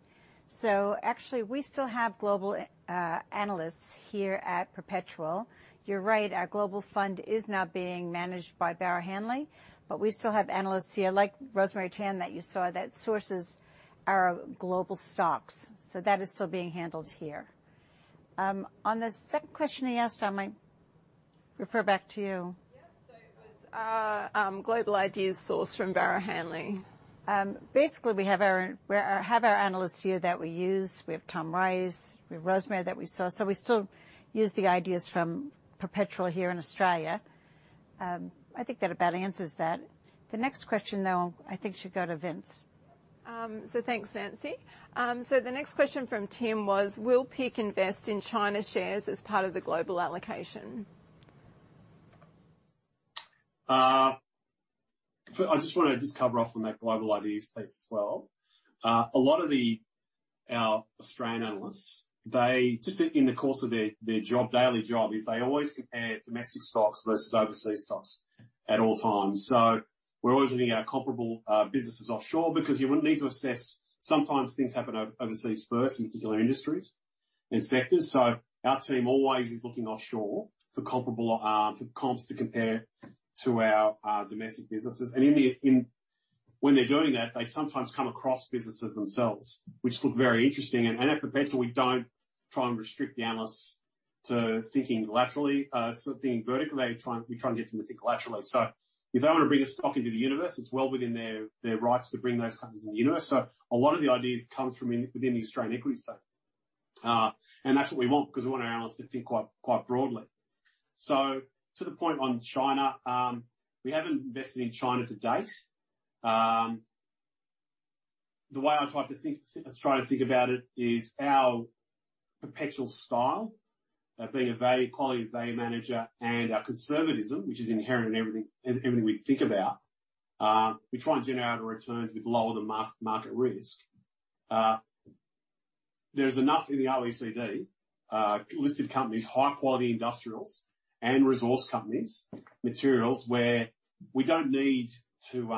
Actually, we still have global analysts here at Perpetual. You are right, our global fund is now being managed by Barrow Hanley, but we still have analysts here like Rosemary Tan that you saw that sources our global stocks. That is still being handled here. On the second question he asked, I might refer back to you. Yeah. Are global ideas sourced from Barrow Hanley? Basically, we have our analysts here that we use. We have Tom Rice, we have Rosemary that we saw. We still use the ideas from Perpetual here in Australia. I think that about answers that. The next question, though, I think should go to Vince. Thanks, Nancy. The next question from Tim was, "Will PIC invest in China shares as part of the global allocation? I just want to cover off on that global ideas piece as well. A lot of our Australian analysts, just in the course of their daily job, they always compare domestic stocks versus overseas stocks at all times. We're always looking at comparable businesses offshore because you would need to assess sometimes things happen overseas first in particular industries and sectors. Our team always is looking offshore for comps to compare to our domestic businesses. When they're doing that, they sometimes come across businesses themselves, which look very interesting. At Perpetual, we don't try and restrict the analysts to thinking laterally, thinking vertically. We try and get them to think laterally. If they want to bring a stock into the universe, it's well within their rights to bring those companies in the universe. A lot of the ideas comes from within the Australian equity side. That's what we want because we want our analysts to think quite broadly. To the point on China, we haven't invested in China to date. The way I try to think about it is our Perpetual style of being a value, quality value manager and our conservatism, which is inherent in everything we think about. We try and generate our returns with lower than market risk. There's enough in the OECD, listed companies, high-quality industrials and resource companies, materials, where we don't need to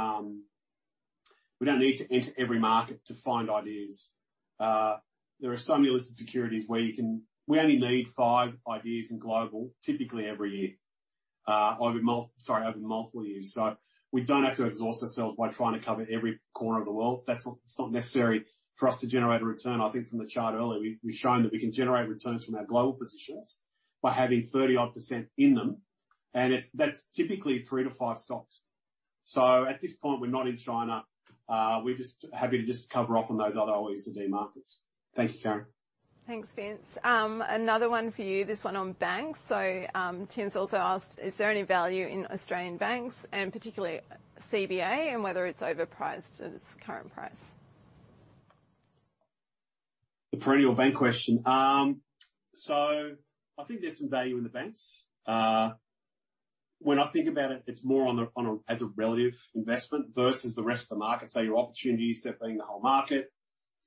enter every market to find ideas. There are so many listed securities where we only need five ideas in global, typically every year. Sorry, over multiple years. We don't have to exhaust ourselves by trying to cover every corner of the world. That's not necessary for us to generate a return. I think from the chart earlier, we've shown that we can generate returns from our global positions by having 30-odd percent in them, and that's typically three to five stocks. At this point, we're not in China. We're just happy to just cover off on those other OECD markets. Thank you, Karen. Thanks, Vince. Another one for you, this one on banks. Tim's also asked, is there any value in Australian banks and particularly CBA and whether it's overpriced at its current price? The perennial bank question. I think there's some value in the banks. When I think about it's more as a relative investment versus the rest of the market. Your opportunities set being the whole market,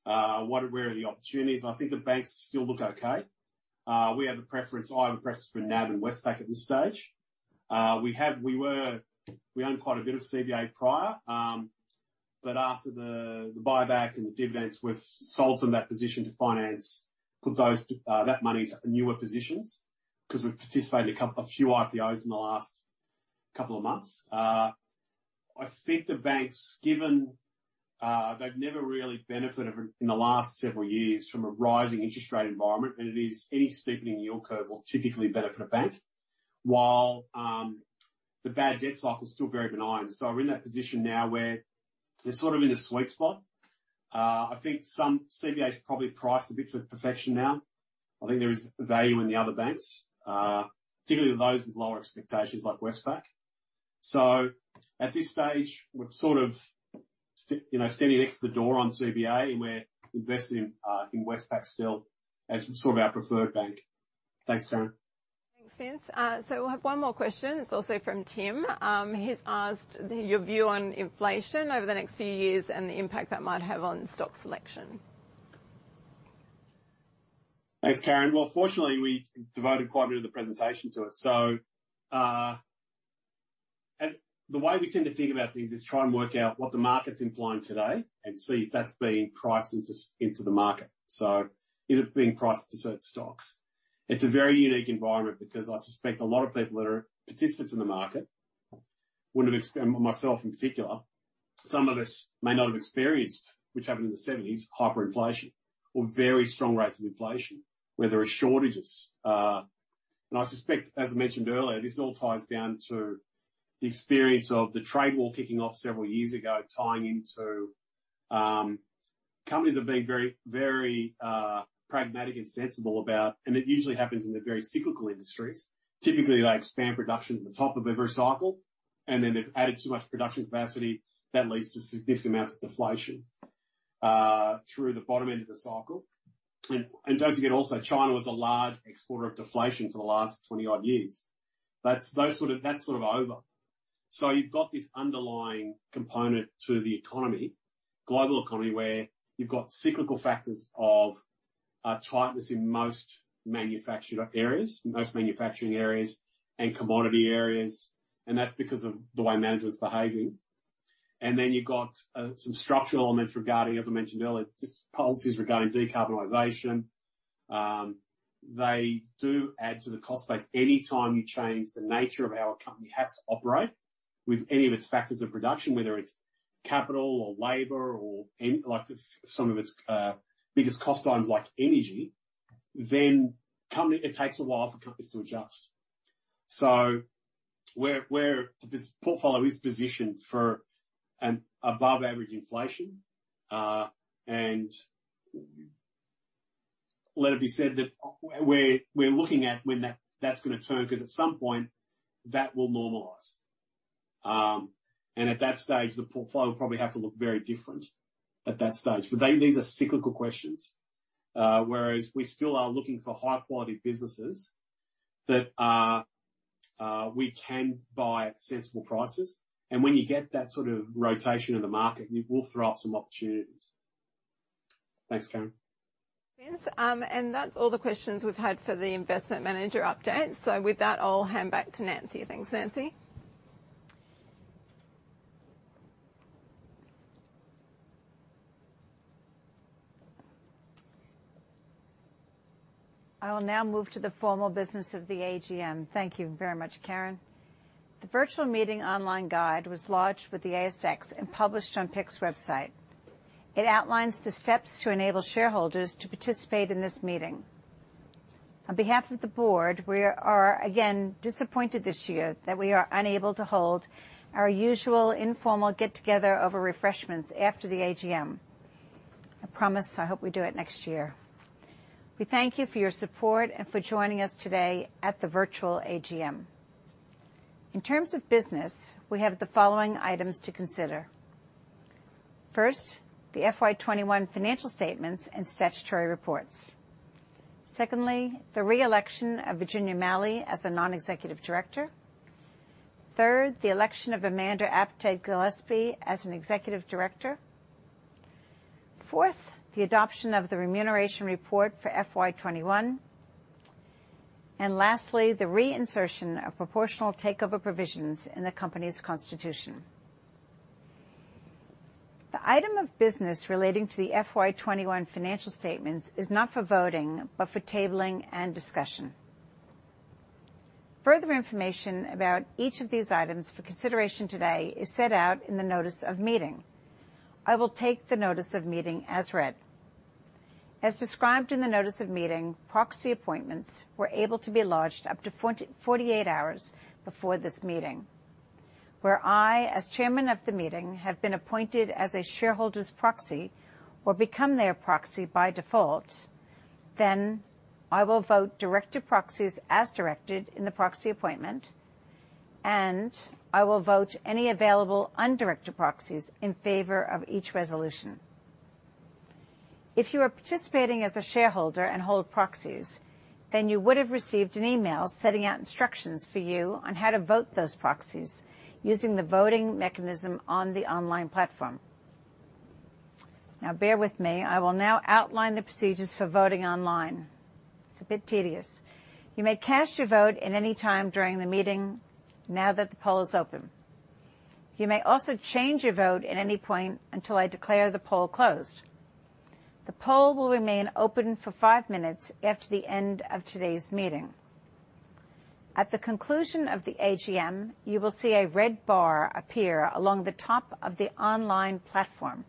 where are the opportunities? I think the banks still look okay. I have a preference for NAB and Westpac at this stage. We owned quite a bit of CBA prior, but after the buyback and the dividends, we've sold some of that position to finance, put that money into newer positions because we've participated in a few IPOs in the last couple of months. I think the banks, given they've never really benefited in the last several years from a rising interest rate environment, and it is any steepening in yield curve will typically benefit a bank, while the bad debt cycle is still very benign. We're in that position now where they're sort of in a sweet spot. I think some CBA is probably priced a bit for perfection now. I think there is value in the other banks, particularly those with lower expectations like Westpac. At this stage, we're sort of standing next to the door on CBA, and we're investing in Westpac still as sort of our preferred bank. Thanks, Karen. Thanks, Vince. We'll have one more question. It's also from Tim. He's asked your view on inflation over the next few years and the impact that might have on stock selection. Thanks, Karen. Well, fortunately, we devoted quite a bit of the presentation to it. The way we tend to think about things is try and work out what the market's implying today and see if that's being priced into the market. Is it being priced into certain stocks? It's a very unique environment because I suspect a lot of people that are participants in the market wouldn't have, myself in particular, some of us may not have experienced, which happened in the 1970s, hyperinflation or very strong rates of inflation, where there are shortages. I suspect, as I mentioned earlier, this all ties down to the experience of the trade war kicking off several years ago, tying into companies have been very pragmatic and sensible about, and it usually happens in the very cyclical industries. Typically, they expand production at the top of every cycle, then they've added too much production capacity that leads to significant amounts of deflation, through the bottom end of the cycle. Don't forget also, China was a large exporter of deflation for the last 20 odd years. That's sort of over. You've got this underlying component to the economy, global economy, where you've got cyclical factors of tightness in most manufacturing areas and commodity areas, that's because of the way management is behaving. You've got some structural elements regarding, as I mentioned earlier, just policies regarding decarbonization. They do add to the cost base. Any time you change the nature of how a company has to operate with any of its factors of production, whether it's capital or labor or some of its biggest cost items like energy, it takes a while for companies to adjust. Where this portfolio is positioned for an above-average inflation, let it be said that we're looking at when that's going to turn, because at some point that will normalize. At that stage, the portfolio will probably have to look very different at that stage. These are cyclical questions, whereas we still are looking for high-quality businesses that we can buy at sensible prices. When you get that sort of rotation in the market, it will throw up some opportunities. Thanks, Karen. Thanks. That's all the questions we've had for the investment manager update. With that, I'll hand back to Nancy. Thanks, Nancy. I will now move to the formal business of the AGM. Thank you very much, Karen. The virtual meeting online guide was lodged with the ASX and published on PIC's website. It outlines the steps to enable shareholders to participate in this meeting. On behalf of the Board, we are again disappointed this year that we are unable to hold our usual informal get-together over refreshments after the AGM. I promise, I hope we do it next year. We thank you for your support and for joining us today at the virtual AGM. In terms of business, we have the following items to consider. First, the FY 2021 financial statements and statutory reports. Secondly, the re-election of Virginia Malley as a Non-Executive Director. Third, the election of Amanda Apted Gillespie as an Executive Director. Fourth, the adoption of the Remuneration Report for FY 2021. Lastly, the reinsertion of proportional takeover provisions in the company's constitution. The item of business relating to the FY 2021 financial statements is not for voting, but for tabling and discussion. Further information about each of these items for consideration today is set out in the notice of meeting. I will take the notice of meeting as read. As described in the notice of meeting, proxy appointments were able to be lodged up to 48 hours before this meeting. Where I, as Chairman of the meeting, have been appointed as a shareholder's proxy or become their proxy by default, then I will vote director proxies as directed in the proxy appointment, and I will vote any available undirected proxies in favor of each resolution. If you are participating as a shareholder and hold proxies, you would've received an email setting out instructions for you on how to vote those proxies using the voting mechanism on the online platform. Bear with me, I will now outline the procedures for voting online. It's a bit tedious. You may cast your vote at any time during the meeting now that the poll is open. You may also change your vote at any point until I declare the poll closed. The poll will remain open for five minutes after the end of today's meeting. At the conclusion of the AGM, you will see a red bar appear along the top of the online platform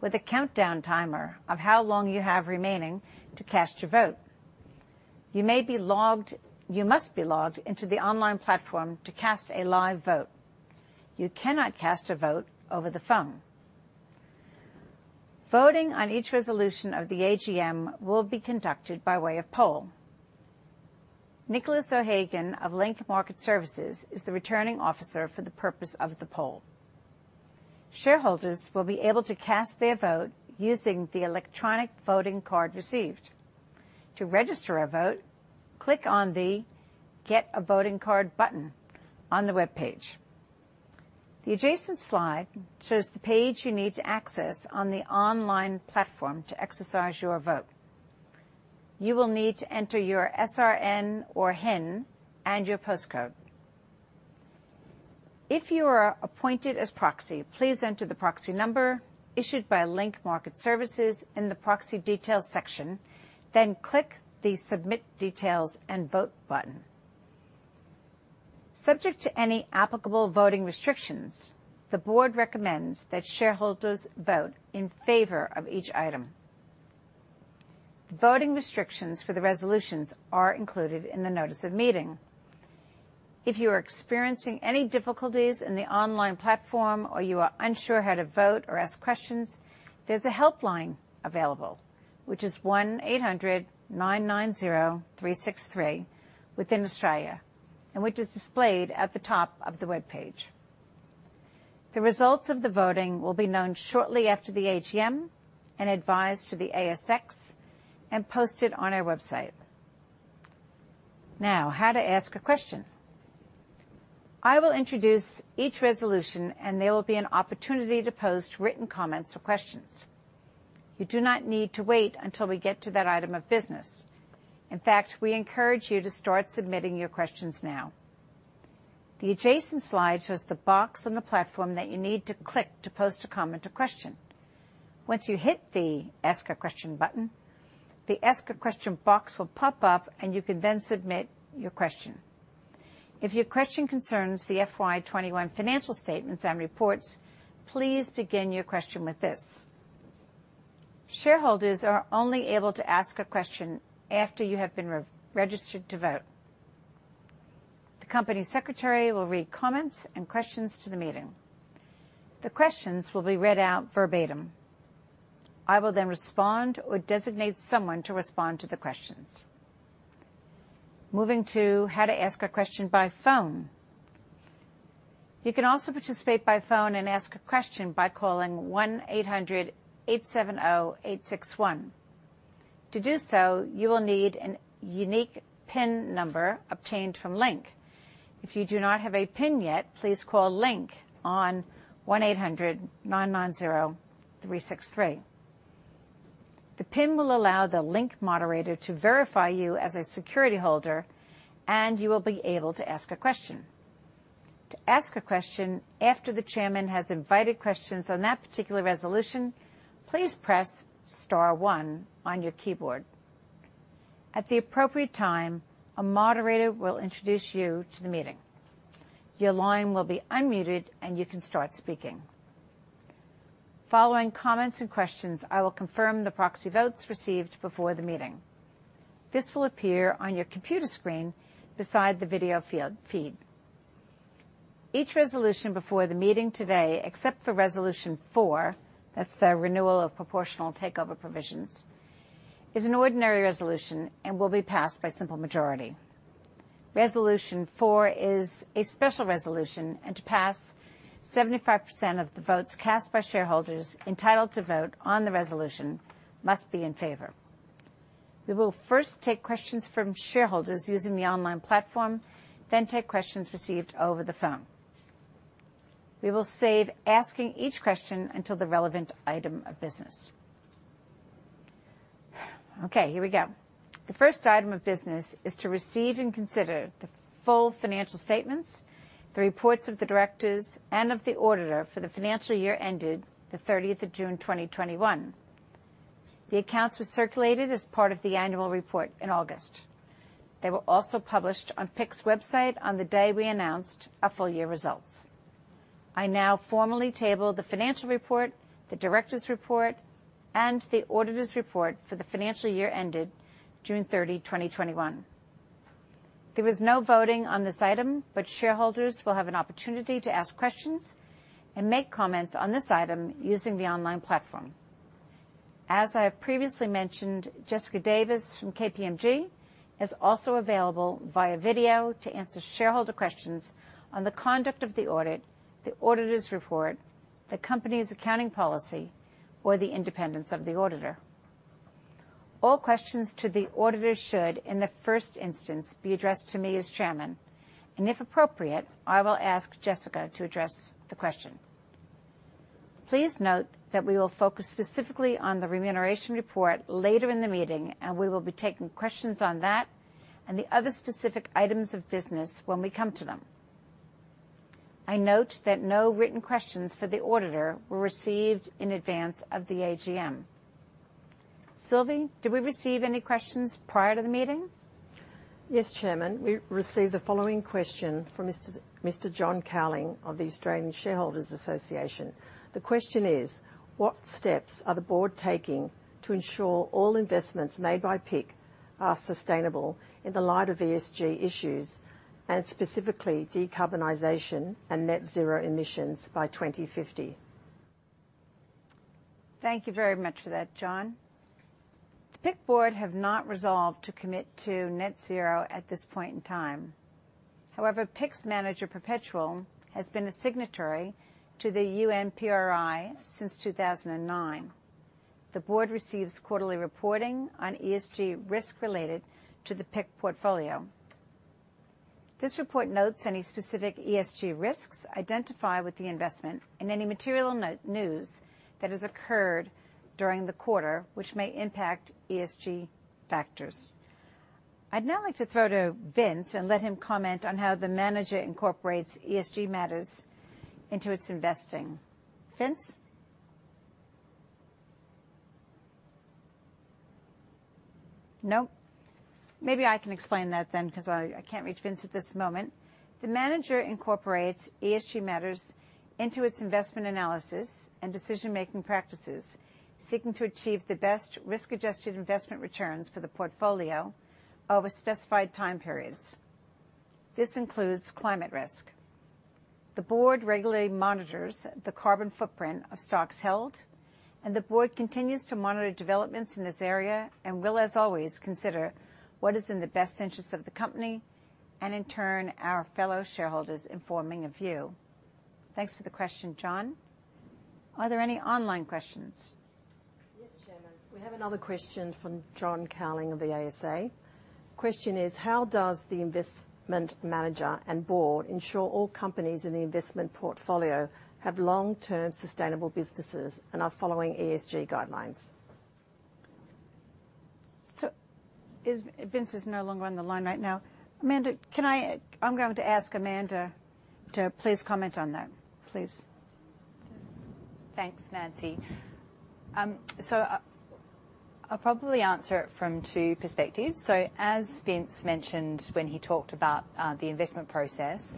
with a countdown timer of how long you have remaining to cast your vote. You must be logged into the online platform to cast a live vote. You cannot cast a vote over the phone. Voting on each resolution of the AGM will be conducted by way of poll. Nicholas O'Hagan of Link Market Services is the Returning Officer for the purpose of the poll. Shareholders will be able to cast their vote using the electronic voting card received. To register a vote, click on the Get A Voting Card button on the webpage. The adjacent slide shows the page you need to access on the online platform to exercise your vote. You will need to enter your SRN or HIN and your postcode. If you are appointed as proxy, please enter the proxy number issued by Link Market Services in the proxy details section, click the Submit Details and Vote button. Subject to any applicable voting restrictions, the Board recommends that shareholders vote in favor of each item. The voting restrictions for the resolutions are included in the notice of meeting. If you are experiencing any difficulties in the online platform or you are unsure how to vote or ask questions, there's a helpline available, which is 1800-990-363 within Australia, and which is displayed at the top of the webpage. The results of the voting will be known shortly after the AGM and advised to the ASX and posted on our website. How to ask a question. I will introduce each resolution. There will be an opportunity to post written comments or questions. You do not need to wait until we get to that item of business. In fact, we encourage you to start submitting your questions now. The adjacent slide shows the box on the platform that you need to click to post a comment or question. Once you hit the Ask a Question button, the Ask a Question box will pop up, and you can then submit your question. If your question concerns the FY 2021 financial statements and reports, please begin your question with this. Shareholders are only able to ask a question after you have been registered to vote. The Company Secretary will read comments and questions to the meeting. The questions will be read out verbatim. I will then respond or designate someone to respond to the questions. Moving to how to ask a question by phone. You can also participate by phone and ask a question by calling 1800-870-861. To do so, you will need a unique PIN number obtained from Link. If you do not have a PIN yet, please call Link on 1800-990-363. The PIN will allow the Link moderator to verify you as a security holder, and you will be able to ask a question. To ask a question after the chairman has invited questions on that particular resolution, please press star one on your keyboard. At the appropriate time, a moderator will introduce you to the meeting. Your line will be unmuted, and you can start speaking. Following comments and questions, I will confirm the proxy votes received before the meeting. This will appear on your computer screen beside the video feed. Each resolution before the meeting today, except for resolution 4, that's the renewal of proportional takeover provisions, is an ordinary resolution and will be passed by simple majority. Resolution 4 is a special resolution, and to pass, 75% of the votes cast by shareholders entitled to vote on the resolution must be in favor. We will first take questions from shareholders using the online platform, then take questions received over the phone. We will save asking each question until the relevant item of business. Okay, here we go. The first item of business is to receive and consider the full financial statements, the reports of the directors, and of the auditor for the financial year ended the 30th of June 2021. The accounts were circulated as part of the annual report in August. They were also published on PIC's website on the day we announced our full-year results. I now formally table the financial report, the director's report, and the auditor's report for the financial year ended June 30, 2021. There is no voting on this item, but shareholders will have an opportunity to ask questions and make comments on this item using the online platform. As I have previously mentioned, Jessica Davis from KPMG is also available via video to answer shareholder questions on the conduct of the audit, the auditor's report, the company's accounting policy, or the independence of the auditor. All questions to the auditor should, in the first instance, be addressed to me as Chairman, and if appropriate, I will ask Jessica to address the question. Please note that we will focus specifically on the remuneration report later in the meeting, and we will be taking questions on that and the other specific items of business when we come to them. I note that no written questions for the auditor were received in advance of the AGM. Sylvie, did we receive any questions prior to the meeting? Yes, Chairman. We received the following question from Mr. John Cowling of the Australian Shareholders' Association. The question is, "What steps are the Board taking to ensure all investments made by PIC are sustainable in the light of ESG issues, and specifically decarbonization and net zero emissions by 2050? Thank you very much for that, John. The PIC Board have not resolved to commit to net zero at this point in time. However, PIC's manager, Perpetual, has been a signatory to the UNPRI since 2009. The Board receives quarterly reporting on ESG risk related to the PIC portfolio. This report notes any specific ESG risks identified with the investment and any material news that has occurred during the quarter, which may impact ESG factors. I'd now like to throw to Vince and let him comment on how the manager incorporates ESG matters into its investing. Vince? No? Maybe I can explain that then because I can't reach Vince at this moment. The manager incorporates ESG matters into its investment analysis and decision-making practices, seeking to achieve the best risk-adjusted investment returns for the portfolio over specified time periods. This includes climate risk. The Board regularly monitors the carbon footprint of stocks held, and the Board continues to monitor developments in this area and will, as always, consider what is in the best interest of the company and, in turn, our fellow shareholders' informing of view. Thanks for the question, John. Are there any online questions? Yes, Chairman. We have another question from John Cowling of the ASA. Question is, "How does the investment manager and Board ensure all companies in the investment portfolio have long-term sustainable businesses and are following ESG guidelines? Vince is no longer on the line right now. I'm going to ask Amanda to please comment on that. Please. Thanks, Nancy. I'll probably answer it from two perspectives. As Vince mentioned when he talked about the investment process,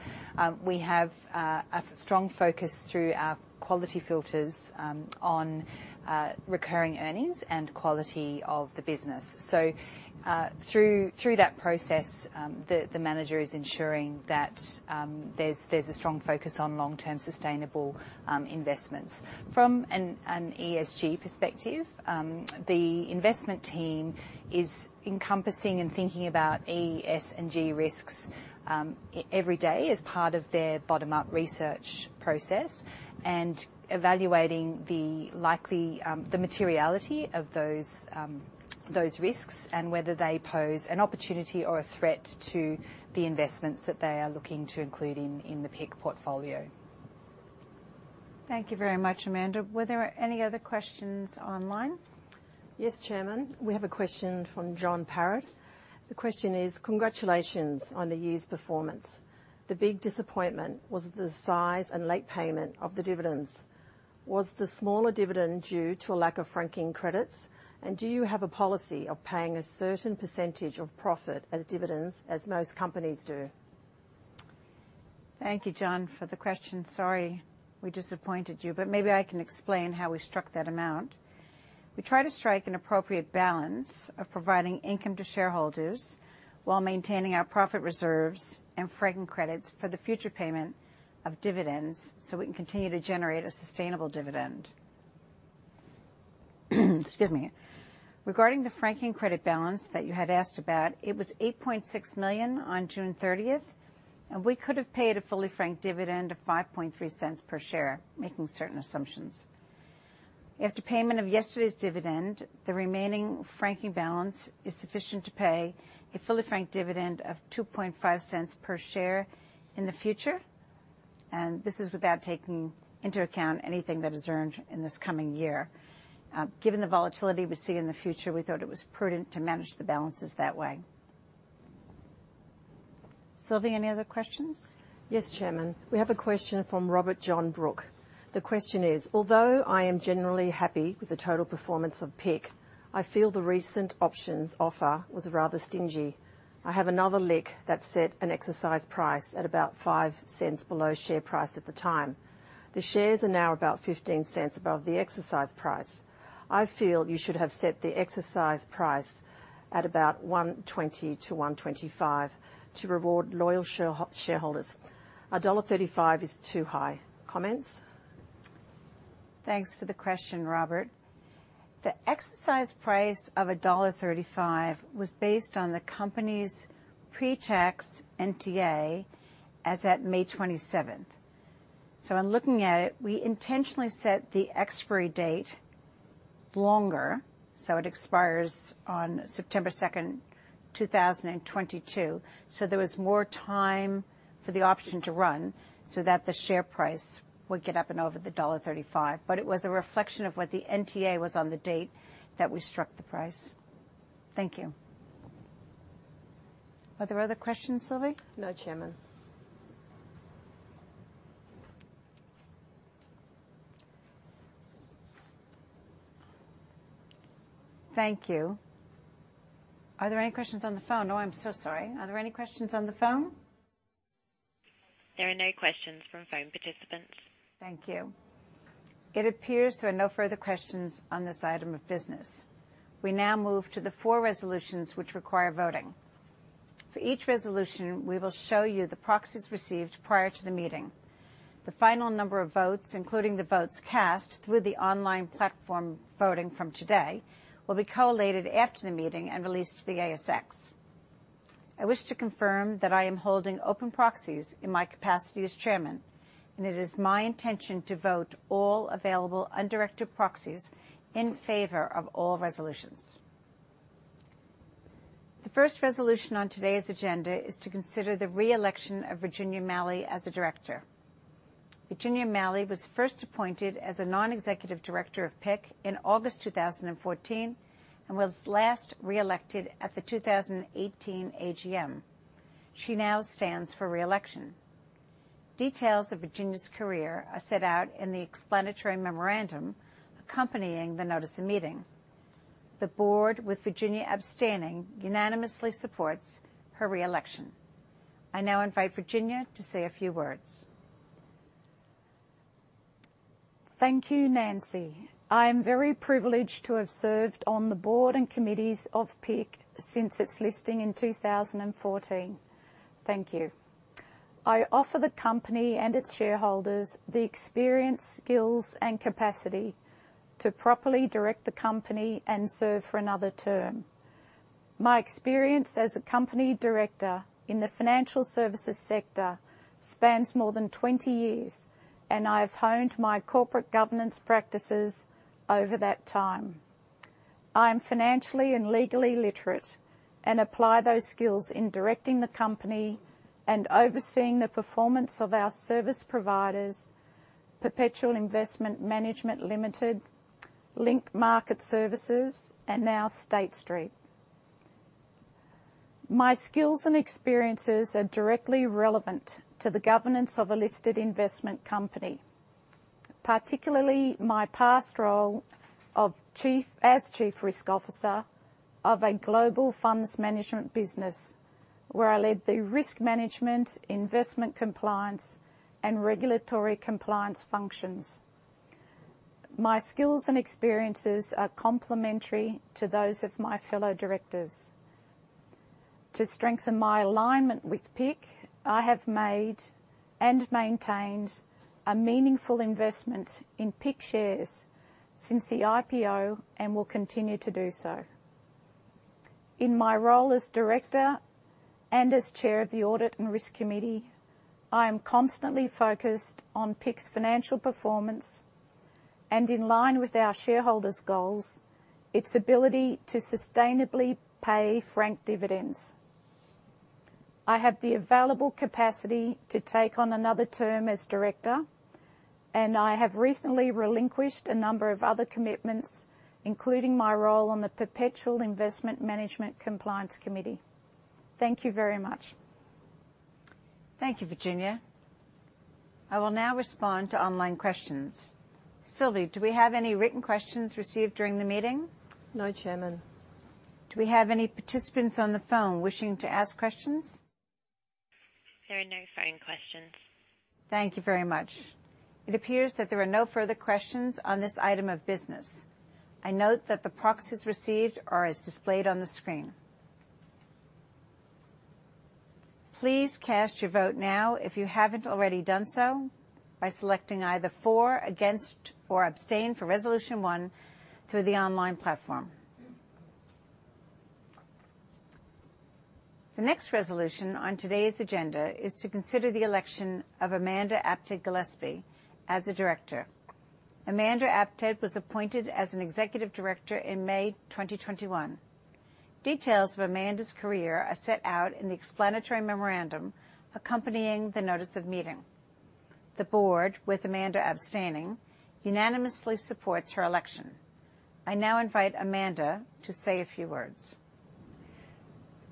we have a strong focus through our quality filters on recurring earnings and quality of the business. Through that process, the manager is ensuring that there's a strong focus on long-term sustainable investments. From an ESG perspective, the investment team is encompassing and thinking about E, S, and G risks every day as part of their bottom-up research process and evaluating the materiality of those risks and whether they pose an opportunity or a threat to the investments that they are looking to include in the PIC portfolio. Thank you very much, Amanda. Were there any other questions online? Yes, Chairman. We have a question from John Parrot. The question is, "Congratulations on the year's performance. The big disappointment was the size and late payment of the dividends. Was the smaller dividend due to a lack of franking credits? Do you have a policy of paying a certain percentage of profit as dividends, as most companies do? Thank you, John, for the question. Sorry we disappointed you. Maybe I can explain how we struck that amount. We try to strike an appropriate balance of providing income to shareholders while maintaining our profit reserves and franking credits for the future payment of dividends so we can continue to generate a sustainable dividend. Excuse me. Regarding the franking credit balance that you had asked about, it was 8.6 million on June 30th. We could've paid a fully franked dividend of 0.053 per share making certain assumptions. After payment of yesterday's dividend, the remaining franking balance is sufficient to pay a fully franked dividend of 0.025 per share in the future. This is without taking into account anything that is earned in this coming year. Given the volatility we see in the future, we thought it was prudent to manage the balances that way. Sylvie, any other questions? Yes, Chairman. We have a question from Robert John Brook. The question is, "Although I am generally happy with the total performance of PIC, I feel the recent options offer was rather stingy. I have another LIC that set an exercise price at about 0.05 below share price at the time. The shares are now about 0.15 above the exercise price. I feel you should have set the exercise price at about 1.20-1.25 to reward loyal shareholders. Dollar 1.35 is too high." Comments? Thanks for the question, Robert. The exercise price of dollar 1.35 was based on the company's pre-tax NTA as at May 27th. In looking at it, we intentionally set the expiry date longer, so it expires on September 2nd, 2022. There was more time for the option to run so that the share price would get up and over the dollar 1.35. It was a reflection of what the NTA was on the date that we struck the price. Thank you. Are there other questions, Sylvie? No, Chairman. Thank you. Are there any questions on the phone? Oh, I'm so sorry. Are there any questions on the phone? There are no questions from phone participants. Thank you. It appears there are no further questions on this item of business. We now move to the four resolutions which require voting. For each resolution, we will show you the proxies received prior to the meeting. The final number of votes, including the votes cast through the online platform voting from today, will be collated after the meeting and released to the ASX. I wish to confirm that I am holding open proxies in my capacity as Chairman, and it is my intention to vote all available undirected proxies in favor of all resolutions. The first resolution on today's agenda is to consider the re-election of Virginia Malley as a Director. Virginia Malley was first appointed as a Non-Executive Director of PIC in August 2014 and was last re-elected at the 2018 AGM. She now stands for re-election. Details of Virginia's career are set out in the explanatory memorandum accompanying the notice of meeting. The Board, with Virginia abstaining, unanimously supports her re-election. I now invite Virginia to say a few words. Thank you, Nancy. I am very privileged to have served on the Board and committees of PIC since its listing in 2014. Thank you. I offer the company and its shareholders the experience, skills, and capacity to properly direct the company and serve for another term. My experience as a company director in the financial services sector spans more than 20 years, and I've honed my corporate governance practices over that time. I am financially and legally literate and apply those skills in directing the company and overseeing the performance of our service providers, Perpetual Investment Management Limited, Link Market Services, and now State Street. My skills and experiences are directly relevant to the governance of a listed investment company, particularly my past role as chief risk officer of a global funds management business, where I led the risk management, investment compliance, and regulatory compliance functions. My skills and experiences are complementary to those of my fellow directors. To strengthen my alignment with PIC, I have made and maintained a meaningful investment in PIC shares since the IPO and will continue to do so. In my role as Director and as Chair of the Audit and Risk Committee, I am constantly focused on PIC's financial performance and, in line with our shareholders' goals, its ability to sustainably pay franked dividends. I have the available capacity to take on another term as Director, and I have recently relinquished a number of other commitments, including my role on the Perpetual Investment Management Compliance Committee. Thank you very much. Thank you, Virginia. I will now respond to online questions. Sylvie, do we have any written questions received during the meeting? No, Chairman. Do we have any participants on the phone wishing to ask questions? There are no phone questions. Thank you very much. It appears that there are no further questions on this item of business. I note that the proxies received are as displayed on the screen. Please cast your vote now if you haven't already done so by selecting either For, Against, or Abstain for Resolution 1 through the online platform. The next Resolution on today's agenda is to consider the election of Amanda Apted Gillespie as a Director. Amanda Apted was appointed as an Executive Director in May 2021. Details of Amanda's career are set out in the explanatory memorandum accompanying the notice of meeting. The Board, with Amanda abstaining, unanimously supports her election. I now invite Amanda to say a few words.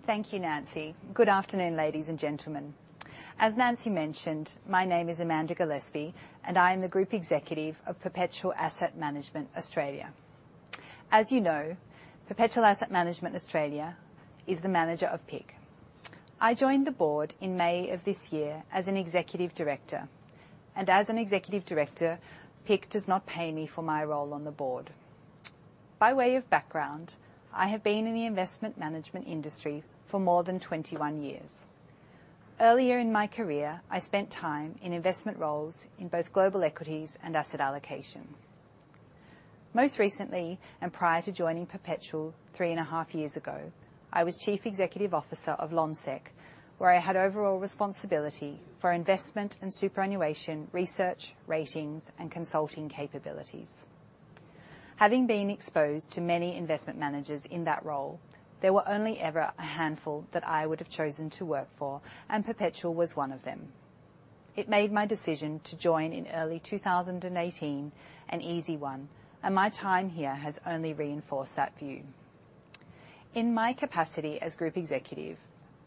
Thank you, Nancy. Good afternoon, ladies and gentlemen. As Nancy mentioned, my name is Amanda Gillespie, and I am the Group Executive of Perpetual Asset Management Australia. As you know, Perpetual Asset Management Australia is the manager of PIC. I joined the Board in May of this year as an Executive Director, and as an Executive Director, PIC does not pay me for my role on the Board. By way of background, I have been in the investment management industry for more than 21 years. Earlier in my career, I spent time in investment roles in both global equities and asset allocation. Most recently, and prior to joining Perpetual three and a half years ago, I was Chief Executive Officer of Lonsec, where I had overall responsibility for investment and superannuation, research, ratings, and consulting capabilities. Having been exposed to many investment managers in that role, there were only ever a handful that I would have chosen to work for, and Perpetual was one of them. It made my decision to join in early 2018 an easy one, and my time here has only reinforced that view. In my capacity as group executive,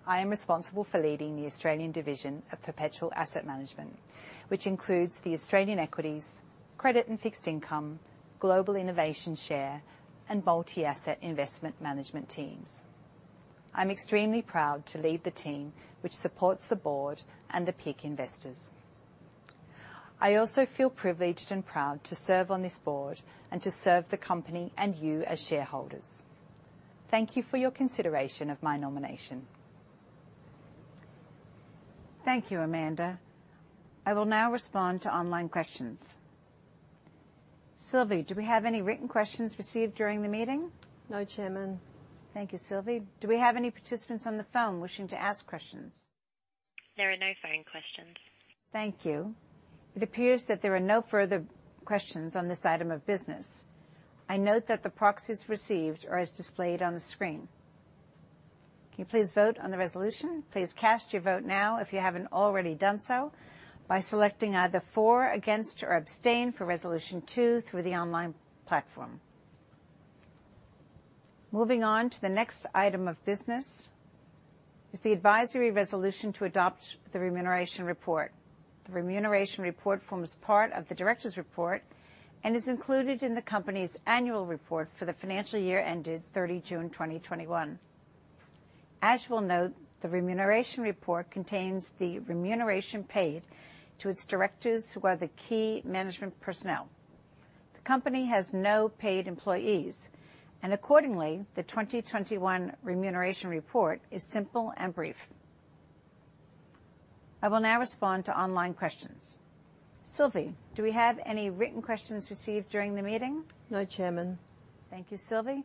I am responsible for leading the Australian division of Perpetual Asset Management, which includes the Australian equities, credit and fixed income, Global Innovation Share, and multi-asset investment management teams. I'm extremely proud to lead the team, which supports the Board and the PIC investors. I also feel privileged and proud to serve on this Board and to serve the company and you as shareholders. Thank you for your consideration of my nomination. Thank you, Amanda. I will now respond to online questions. Sylvie, do we have any written questions received during the meeting? No, Chairman. Thank you, Sylvie. Do we have any participants on the phone wishing to ask questions? There are no phone questions. Thank you. It appears that there are no further questions on this item of business. I note that the proxies received are as displayed on the screen. Can you please vote on the resolution? Please cast your vote now if you haven't already done so by selecting either For, Against, or Abstain for Resolution 2 through the online platform. Moving on to the next item of business is the advisory resolution to adopt the remuneration report. The remuneration report forms part of the director's report and is included in the company's annual report for the financial year ended 30 June 2021. As you will note, the remuneration report contains the remuneration paid to its directors who are the key management personnel. The Company has no paid employees, and accordingly, the 2021 remuneration report is simple and brief. I will now respond to online questions. Sylvie, do we have any written questions received during the meeting? No, Chairman. Thank you, Sylvie.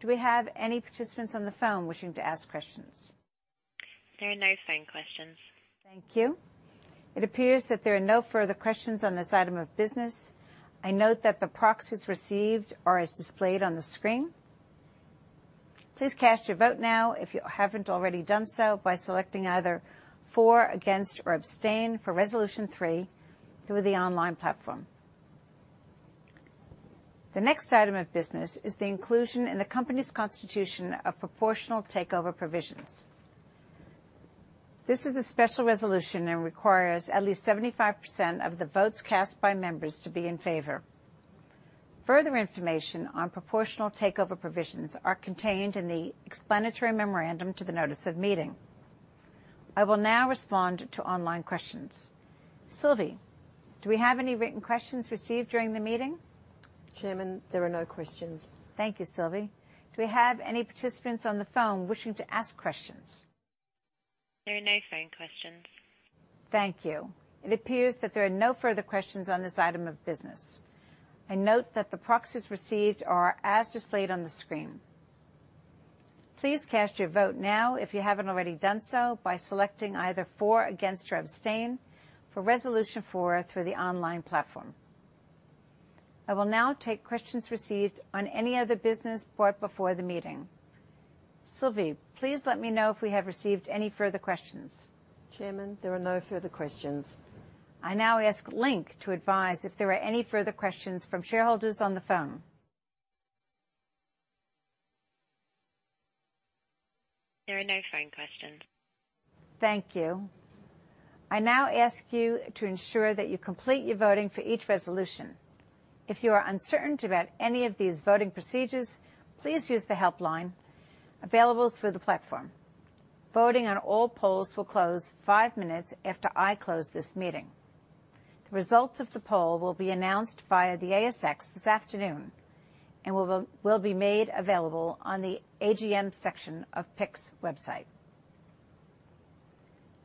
Do we have any participants on the phone wishing to ask questions? There are no phone questions. Thank you. It appears that there are no further questions on this item of business. I note that the proxies received are as displayed on the screen. Please cast your vote now if you haven't already done so by selecting either For, Against, or Abstain for Resolution 3 through the online platform. The next item of business is the inclusion in the company's constitution of proportional takeover provisions. This is a special resolution and requires at least 75% of the votes cast by members to be in favor. Further information on proportional takeover provisions are contained in the explanatory memorandum to the notice of meeting. I will now respond to online questions. Sylvie, do we have any written questions received during the meeting? Chairman, there are no questions. Thank you, Sylvie. Do we have any participants on the phone wishing to ask questions? There are no phone questions. Thank you. It appears that there are no further questions on this item of business. I note that the proxies received are as displayed on the screen. Please cast your vote now if you haven't already done so by selecting either For, Against, or Abstain for Resolution 4 through the online platform. I will now take questions received on any other business brought before the meeting. Sylvie, please let me know if we have received any further questions. Chairman, there are no further questions. I now ask Link to advise if there are any further questions from shareholders on the phone. There are no phone questions. Thank you. I now ask you to ensure that you complete your voting for each resolution. If you are uncertain about any of these voting procedures, please use the help line available through the platform. Voting on all polls will close five minutes after I close this meeting. The results of the poll will be announced via the ASX this afternoon and will be made available on the AGM section of PIC's website.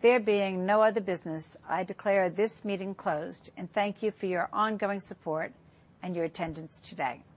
There being no other business, I declare this meeting closed, and thank you for your ongoing support and your attendance today.